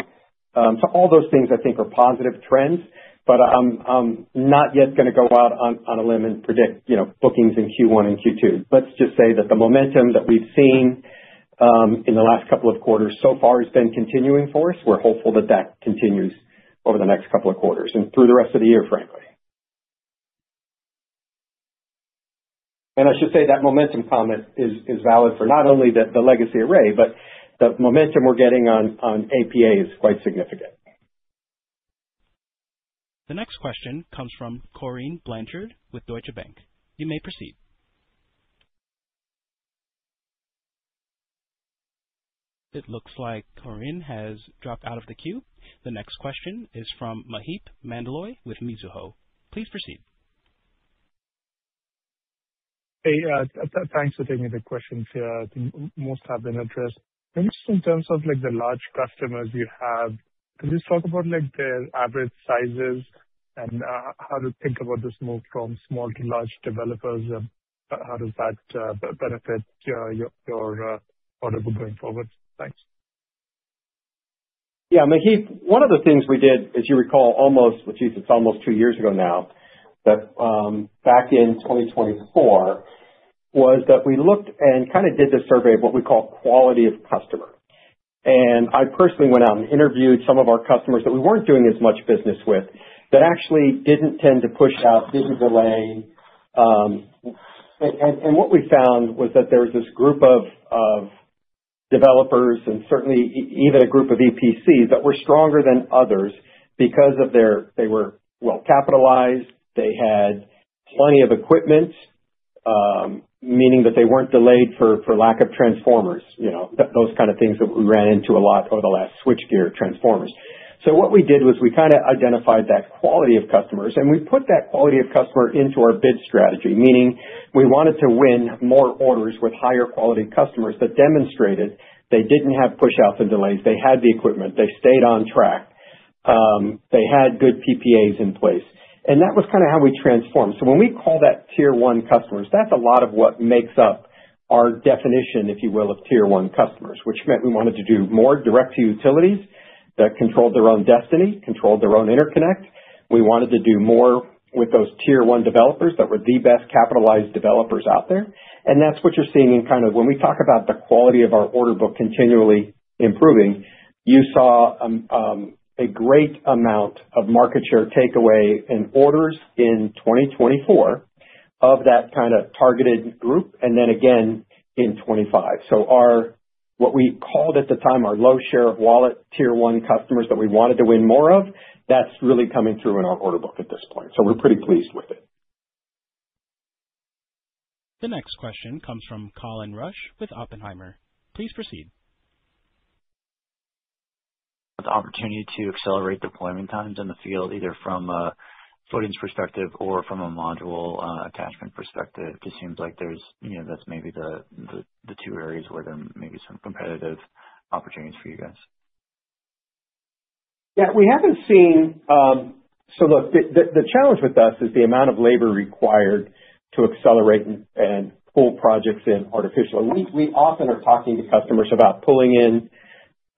All those things I think are positive trends, but I'm not yet gonna go out on a limb and predict, you know, bookings in Q1 and Q2. Let's just say that the momentum that we've seen in the last couple of quarters so far has been continuing for us. We're hopeful that that continues over the next couple of quarters, and through the rest of the year, frankly. I should say that momentum comment is valid for not only the legacy Array, but the momentum we're getting on APA is quite significant. The next question comes from Corinne Blanchard with Deutsche Bank. You may proceed. It looks like Corinne has dropped out of the queue. The next question is from Maheep Mandloi with Mizuho. Please proceed. Hey, thanks for taking the questions here. I think most have been addressed. Maybe just in terms of, like, the large customers you have, can you just talk about, like, their average sizes and how to think about this move from small to large developers, and how does that benefit your product going forward? Thanks. Yeah, Maheep, one of the things we did, as you recall, almost, which it's almost 2 years ago now, but, back in 2024, was that we looked and kind of did this survey of what we call quality of customer. I personally went out and interviewed some of our customers that we weren't doing as much business with, that actually didn't tend to push out, didn't delay, and what we found was that there was this group of developers and certainly even a group of EPCs that were stronger than others because they were well capitalized. They had plenty of equipment, meaning that they weren't delayed for lack of transformers, you know, those kind of things that we ran into a lot over the last switchgear transformers. What we did was we kind of identified that quality of customers, and we put that quality of customer into our bid strategy, meaning we wanted to win more orders with higher quality customers that demonstrated they didn't have pushouts and delays, they had the equipment, they stayed on track, they had good PPAs in place. That was kind of how we transformed. When we call that Tier 1 customers, that's a lot of what makes up our definition, if you will, of Tier 1 customers, which meant we wanted to do more direct to utilities that controlled their own destiny, controlled their own interconnect. We wanted to do more with those Tier 1 developers that were the best capitalized developers out there. That's what you're seeing in kind of when we talk about the quality of our order book continually improving. You saw a great amount of market share takeaway in orders in 2024 of that kind of targeted group, and then again in 2025. What we called at the time, our low share of wallet, Tier 1 customers that we wanted to win more of, that's really coming through in our order book at this point. We're pretty pleased with it. The next question comes from Colin Rusch with Oppenheimer. Please proceed. The opportunity to accelerate deployment times in the field, either from a footings perspective or from a module, attachment perspective. Just seems like there's, you know, that's maybe the, the two areas where there may be some competitive opportunities for you guys. Yeah, we haven't seen. Look, the challenge with us is the amount of labor required to accelerate and pull projects in artificially. We often are talking to customers about pulling in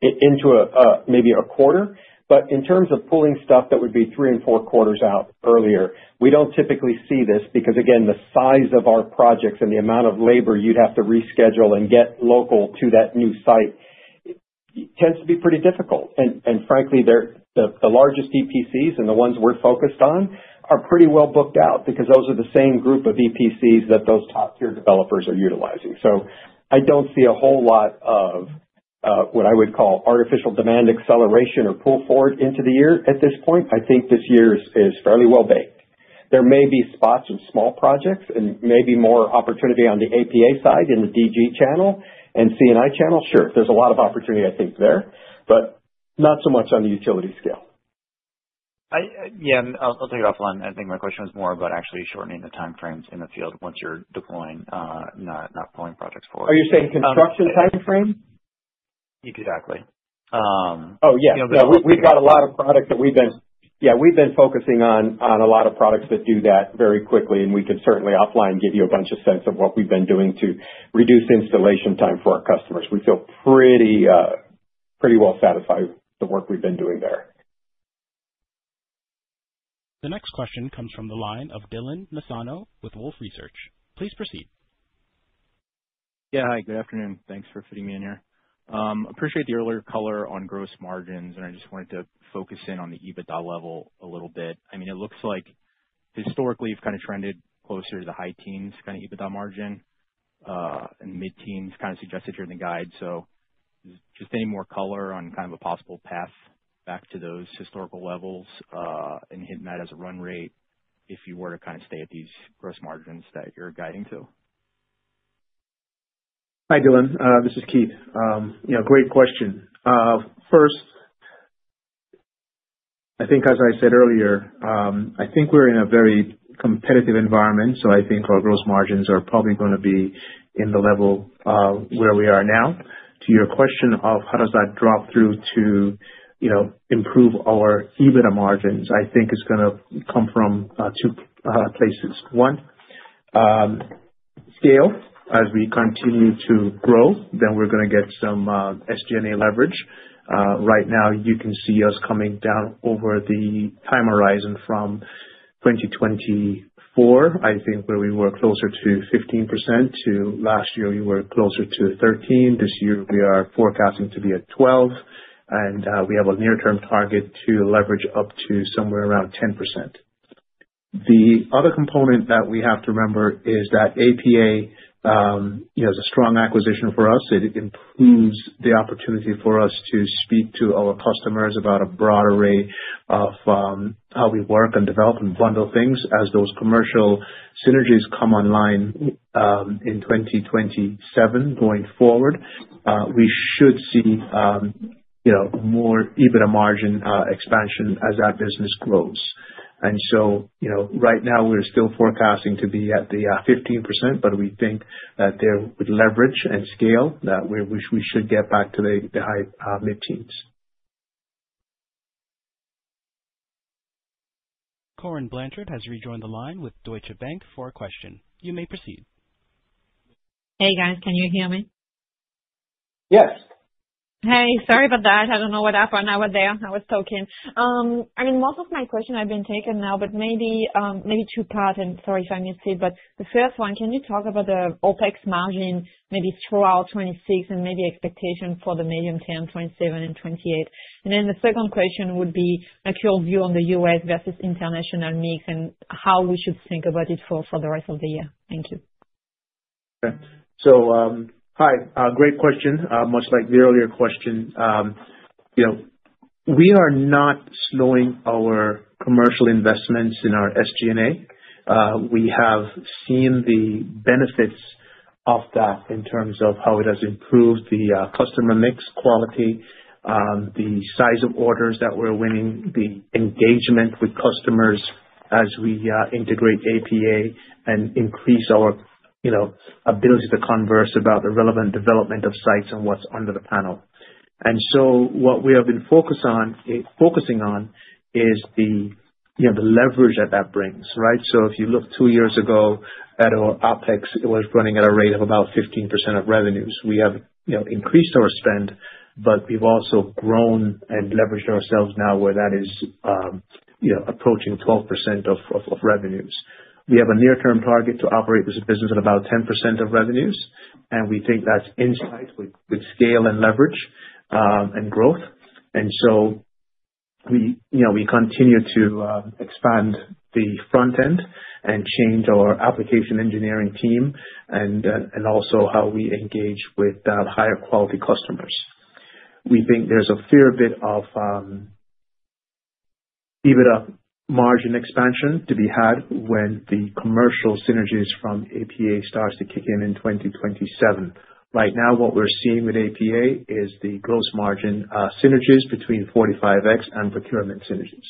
into a maybe a quarter, but in terms of pulling stuff, that would be 3 and 4 quarters out earlier. We don't typically see this because, again, the size of our projects and the amount of labor you'd have to reschedule and get local to that new site tends to be pretty difficult. Frankly, they're the largest EPCs and the ones we're focused on are pretty well booked out because those are the same group of EPCs that those top tier developers are utilizing. I don't see a whole lot of what I would call artificial demand acceleration or pull forward into the year at this point. I think this year is fairly well baked. There may be spots of small projects and maybe more opportunity on the APA side, in the DG channel and C&I channel. Sure, there's a lot of opportunity, I think, there, but not so much on the utility scale. I, yeah, I'll take it offline. I think my question was more about actually shortening the time frames in the field once you're deploying, not pulling projects forward. Are you saying construction time frame? Exactly. Oh, yeah. You know. We've got a lot of products that we've been focusing on a lot of products that do that very quickly. We can certainly offline, give you a bunch of sense of what we've been doing to reduce installation time for our customers. We feel pretty well satisfied with the work we've been doing there. The next question comes from the line of Dylan Nassano with Wolfe Research. Please proceed. Yeah. Hi, good afternoon. Thanks for fitting me in here. appreciate the earlier color on gross margins. I just wanted to focus in on the EBITDA level a little bit. I mean, it looks like historically, you've kind of trended closer to the high teens kind of EBITDA margin, and mid-teens kind of suggested here in the guide. Just any more color on kind of a possible path back to those historical levels, and hitting that as a run rate, if you were to kind of stay at these gross margins that you're guiding to. Hi, Dylan. This is Keith. You know, great question. First, I think as I said earlier, I think we're in a very competitive environment, so I think our gross margins are probably gonna be in the level where we are now. To your question of how does that drop through to, you know, improve our EBITDA margins? I think it's gonna come from 2 places. One, scale. As we continue to grow, then we're gonna get some SG&A leverage. Right now, you can see us coming down over the time horizon from 2024, I think, where we were closer to 15% to last year, we were closer to 13%. This year, we are forecasting to be at 12%, and we have a near-term target to leverage up to somewhere around 10%. The other component that we have to remember is that APA, you know, is a strong acquisition for us. It improves the opportunity for us to speak to our customers about a broad array of how we work and develop and bundle things. As those commercial synergies come online in 2027, going forward, we should see, you know, more EBITDA margin expansion as that business grows. You know, right now we're still forecasting to be at the 15%, but we think that there with leverage and scale, that we should get back to the high mid-teens. Corinne Blanchard has rejoined the line with Deutsche Bank for a question. You may proceed. Hey, guys, can you hear me? Yes. Hey, sorry about that. I don't know what happened. I was there. I was talking. I mean, most of my questions have been taken now, but maybe two part, and sorry if I missed it. The first one, can you talk about the OpEx margin, maybe throughout 2026, and maybe expectation for the medium term, 2027 and 2028? The second question would be actual view on the U.S. versus international mix, and how we should think about it for the rest of the year. Thank you. Hi, great question. Much like the earlier question, you know, we are not slowing our commercial investments in our SG&A. We have seen the benefits of that in terms of how it has improved the customer mix quality, the size of orders that we're winning, the engagement with customers as we integrate APA and increase our, you know, ability to converse about the relevant development of sites and what's under the panel. What we have been focused on is the, you know, the leverage that that brings, right? If you look two years ago at our OpEx, it was running at a rate of about 15% of revenues. We have, you know, increased our spend, but we've also grown and leveraged ourselves now where that is, you know, approaching 12% of revenues. We have a near-term target to operate this business at about 10% of revenues, and we think that's in sight with scale and leverage and growth. We, you know, we continue to expand the front end and change our application engineering team and also how we engage with higher quality customers. We think there's a fair bit of EBITDA margin expansion to be had when the commercial synergies from APA starts to kick in in 2027. Right now, what we're seeing with APA is the gross margin synergies between 45X and procurement synergies.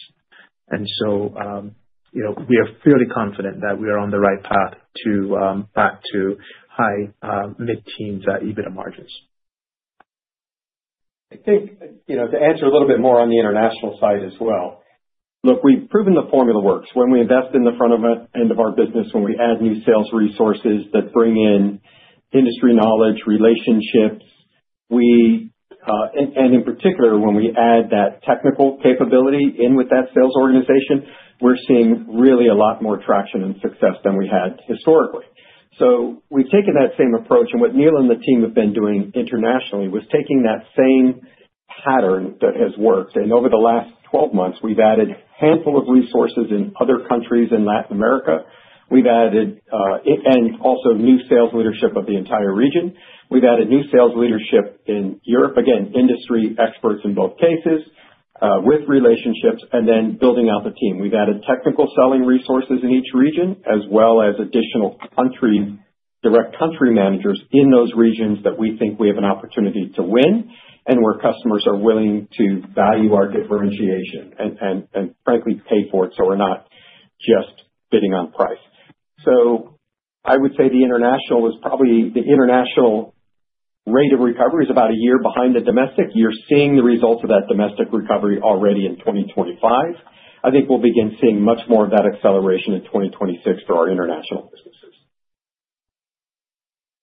You know, we are fairly confident that we are on the right path to back to high mid-teens at EBITDA margins. I think, you know, to answer a little bit more on the international side as well, look, we've proven the formula works. When we invest in the front of it, end of our business, when we add new sales resources that bring in industry knowledge, relationships, we, and in particular, when we add that technical capability in with that sales organization, we're seeing really a lot more traction and success than we had historically. We've taken that same approach, and what Neil and the team have been doing internationally was taking that same pattern that has worked, and over the last 12 months, we've added handful of resources in other countries in Latin America. We've added, and also new sales leadership of the entire region. We've added new sales leadership in Europe, again, industry experts in both cases, with relationships, and then building out the team. We've added technical selling resources in each region, as well as additional country, direct country managers in those regions that we think we have an opportunity to win, and where customers are willing to value our differentiation and frankly, pay for it, so we're not just bidding on price. I would say the international is probably, the international rate of recovery is about a year behind the domestic. You're seeing the results of that domestic recovery already in 2025. I think we'll begin seeing much more of that acceleration in 2026 for our international businesses.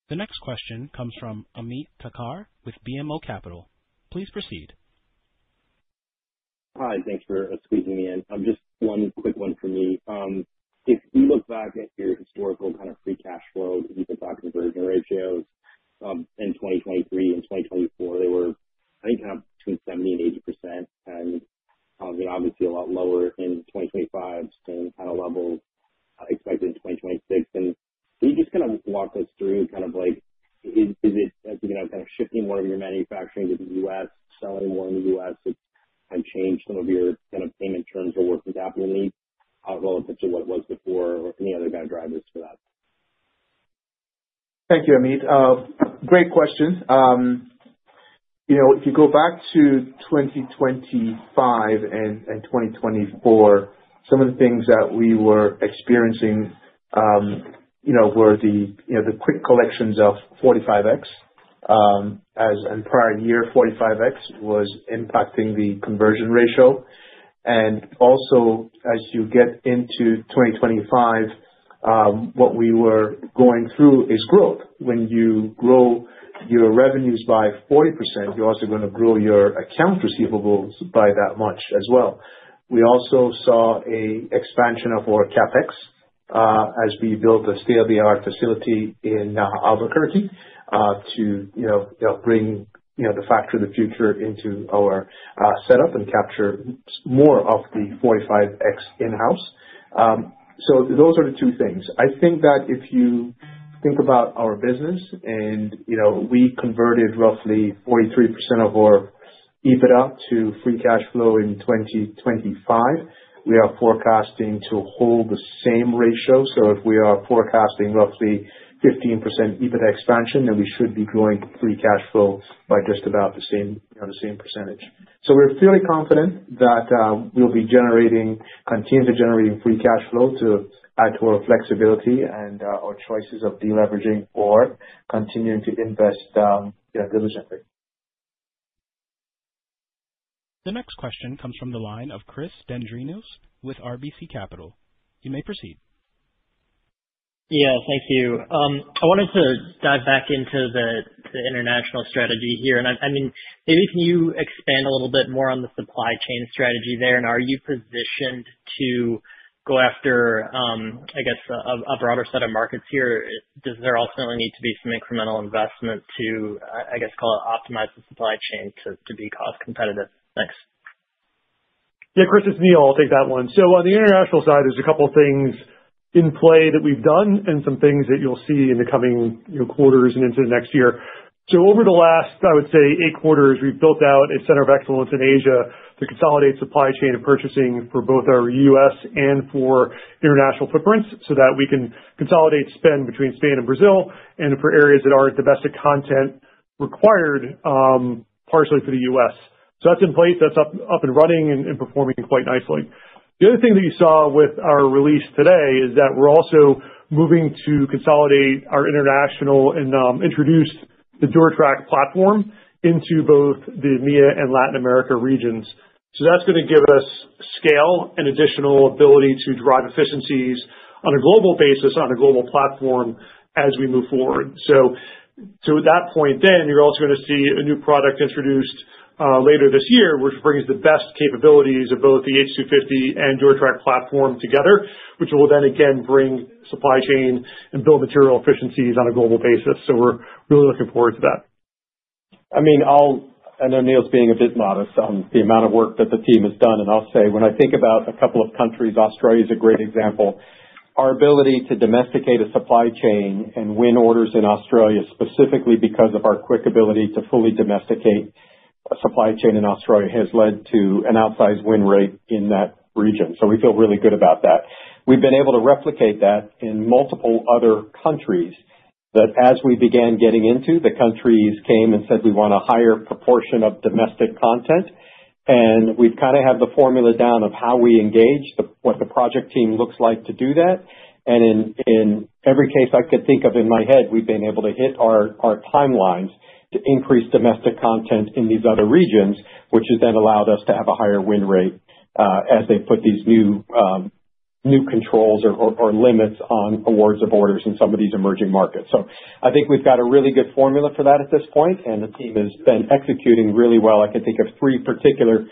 The next question comes from Ameet Thakkar with BMO Capital. Please proceed. Hi, thanks for squeezing me in. Just one quick one for me. If you look back at your historical kind of free cash flow, you've been talking conversion ratios in 2023 and 2024, they were, I think, between 70% and 80%, and obviously a lot lower in 2025, same kind of level I expected in 2026. Can you just kind of walk us through kind of like, is it, as you know, kind of shifting more of your manufacturing to the U.S., selling more in the U.S., it's kind of changed some of your kind of payment terms or working capital needs relative to what it was before, or any other kind of drivers for that? Thank you, Ameet. Great question. You know, if you go back to 2025 and 2024, some of the things that we were experiencing, you know, were the, you know, the quick collections of 45X, as in prior year, 45X was impacting the conversion ratio. As you get into 2025, what we were going through is growth. When you grow your revenues by 40%, you're also gonna grow your account receivables by that much as well. We also saw a expansion of our CapEx as we built thestate of the art facility in Albuquerque to, you know, bring, you know, the factory of the future into our setup and capture more of the 45X in-house. Those are the two things. I think that if you think about our business and, you know, we converted roughly 43% of our EBITDA to free cash flow in 2025, we are forecasting to hold the same ratio. If we are forecasting roughly 15% EBITDA expansion, then we should be growing free cash flow by just about the same, you know, the same percentage. We're fairly confident that, we'll be generating, continuing to generating free cash flow to add to our flexibility and, our choices of deleveraging or continuing to invest, you know, diligently. The next question comes from the line of Chris Dendrinos with RBC Capital. You may proceed. Yeah, thank you. I wanted to dive back into the international strategy here, and I mean, maybe can you expand a little bit more on the supply chain strategy there? Are you positioned to go after, I guess, a broader set of markets here? Does there ultimately need to be some incremental investment to, I guess, call it optimize the supply chain to be cost competitive? Thanks. Yeah, Chris, it's Neil. I'll take that one. On the international side, there's a couple things in play that we've done and some things that you'll see in the coming, you know, quarters and into the next year. Over the last, I would say 8 quarters, we've built out a center of excellence in Asia to consolidate supply chain and purchasing for both our U.S. and for international footprints, so that we can consolidate spend between Spain and Brazil, and for areas that are at domestic content required, partially for the U.S. That's in place. That's up and running and performing quite nicely. The other thing that you saw with our release today is that we're also moving to consolidate our international and introduce the DuraTrack platform into both the EMEA and Latin America regions. That's gonna give us scale and additional ability to drive efficiencies on a global basis, on a global platform as we move forward. To that point then, you're also gonna see a new product introduced later this year, which brings the best capabilities of both the H250 and DuraTrack platform together, which will then again bring supply chain and build material efficiencies on a global basis. We're really looking forward to that. I mean, I know Neil's being a bit modest on the amount of work that the team has done, and I'll say, when I think about a couple of countries, Australia's a great example. Our ability to domesticate a supply chain and win orders in Australia, specifically because of our quick ability to fully domesticate a supply chain in Australia, has led to an outsized win rate in that region. We feel really good about that. We've been able to replicate that in multiple other countries, that as we began getting into, the countries came and said, "We want a higher proportion of domestic content." We kind of have the formula down of how we engage the, what the project team looks like to do that. In every case I could think of in my head, we've been able to hit our timelines to increase domestic content in these other regions, which has then allowed us to have a higher win rate as they put these new controls or limits on awards of orders in some of these emerging markets. I think we've got a really good formula for that at this point, and the team has been executing really well. I can think of 3 particular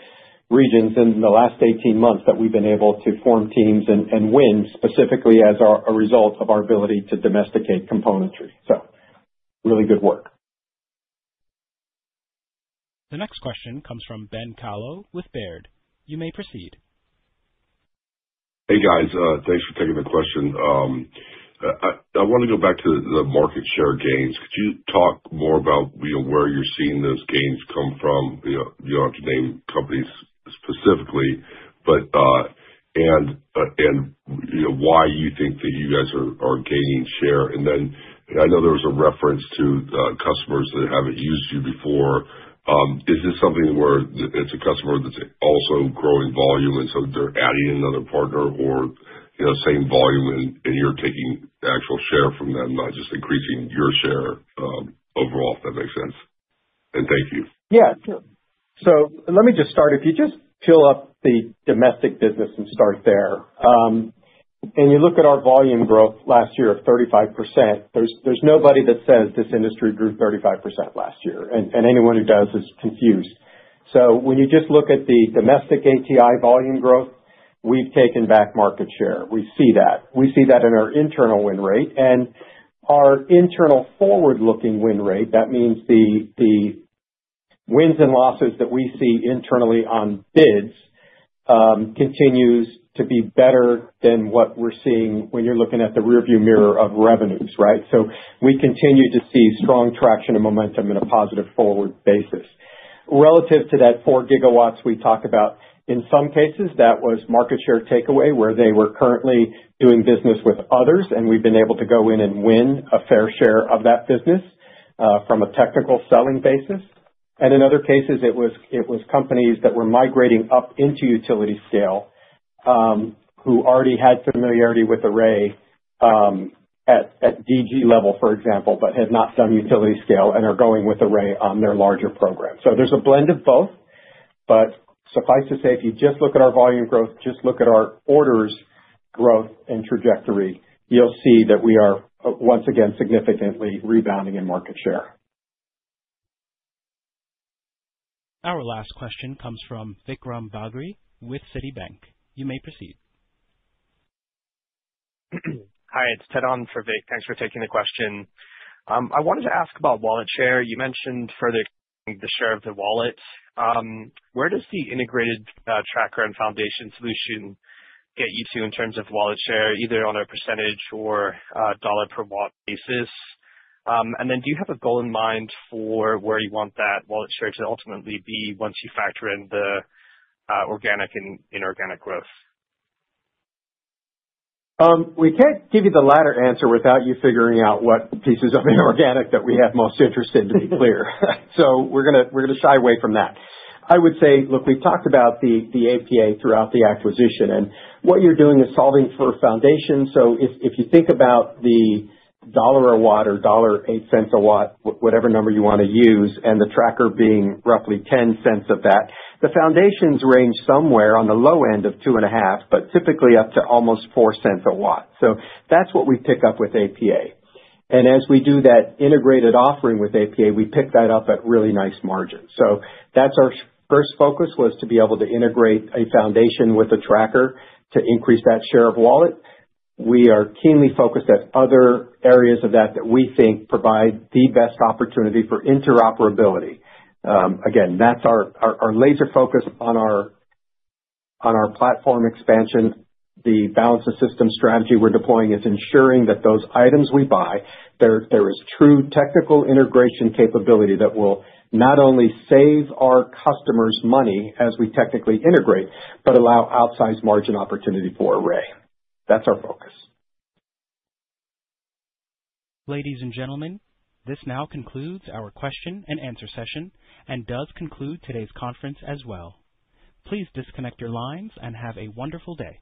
regions in the last 18 months that we've been able to form teams and win, specifically as a result of our ability to domesticate componentry. Really good work. The next question comes from Ben Kallo with Baird. You may proceed. Hey, guys. Thanks for taking the question. I want to go back to the market share gains. Could you talk more about, you know, where you're seeing those gains come from? You don't have to name companies specifically, but. You know, why you think that you guys are gaining share? Then I know there was a reference to customers that haven't used you before. Is this something where it's a customer that's also growing volume, and so they're adding another partner or, you know, same volume and you're taking the actual share from them, not just increasing your share, overall, if that makes sense? Thank you. Let me just start. If you just peel up the domestic business and start there, and you look at our volume growth last year of 35%, there's nobody that says this industry grew 35% last year, and anyone who does is confused. When you just look at the domestic ATI volume growth, we've taken back market share. We see that. We see that in our internal win rate and our internal forward-looking win rate. That means the wins and losses that we see internally on bids, continues to be better than what we're seeing when you're looking at the rearview mirror of revenues, right. We continue to see strong traction and momentum in a positive forward basis. Relative to that 4 GW we talked about, in some cases, that was market share takeaway, where they were currently doing business with others, and we've been able to go in and win a fair share of that business from a technical selling basis. In other cases, it was companies that were migrating up into utility scale, who already had familiarity with Array at DG level, for example, but had not done utility scale and are going with Array on their larger program. There's a blend of both, but suffice to say, if you just look at our volume growth, just look at our orders growth and trajectory, you'll see that we are once again significantly rebounding in market share. Our last question comes from Vikram Bagri with Citi. You may proceed. Hi, it's Ted on for Vik. Thanks for taking the question. I wanted to ask about wallet share. You mentioned further the share of the wallet. Where does the integrated tracker and foundation solution get you to in terms of wallet share, either on a % or a dollar per watt basis? Do you have a goal in mind for where you want that wallet share to ultimately be once you factor in the organic and inorganic growth? We can't give you the latter answer without you figuring out what pieces of the organic that we have most interest in, to be clear. We're gonna shy away from that. I would say, look, we've talked about the APA throughout the acquisition, what you're doing is solving for a foundation. If you think about the $1 a watt or $0.08 a watt, whatever number you want to use, and the tracker being roughly $0.10 of that, the foundations range somewhere on the low end of 2.5, but typically up to almost $0.04 a watt. That's what we pick up with APA. As we do that integrated offering with APA, we pick that up at really nice margins. That's our first focus, was to be able to integrate a foundation with a tracker to increase that share of wallet. We are keenly focused at other areas of that we think provide the best opportunity for interoperability. again, that's our laser focus on our platform expansion. The balance of system strategy we're deploying is ensuring that those items we buy, there is true technical integration capability that will not only save our customers money as we technically integrate, but allow outsized margin opportunity for Array. That's our focus. Ladies and gentlemen, this now concludes our question and answer session and does conclude today's conference as well. Please disconnect your lines and have a wonderful day.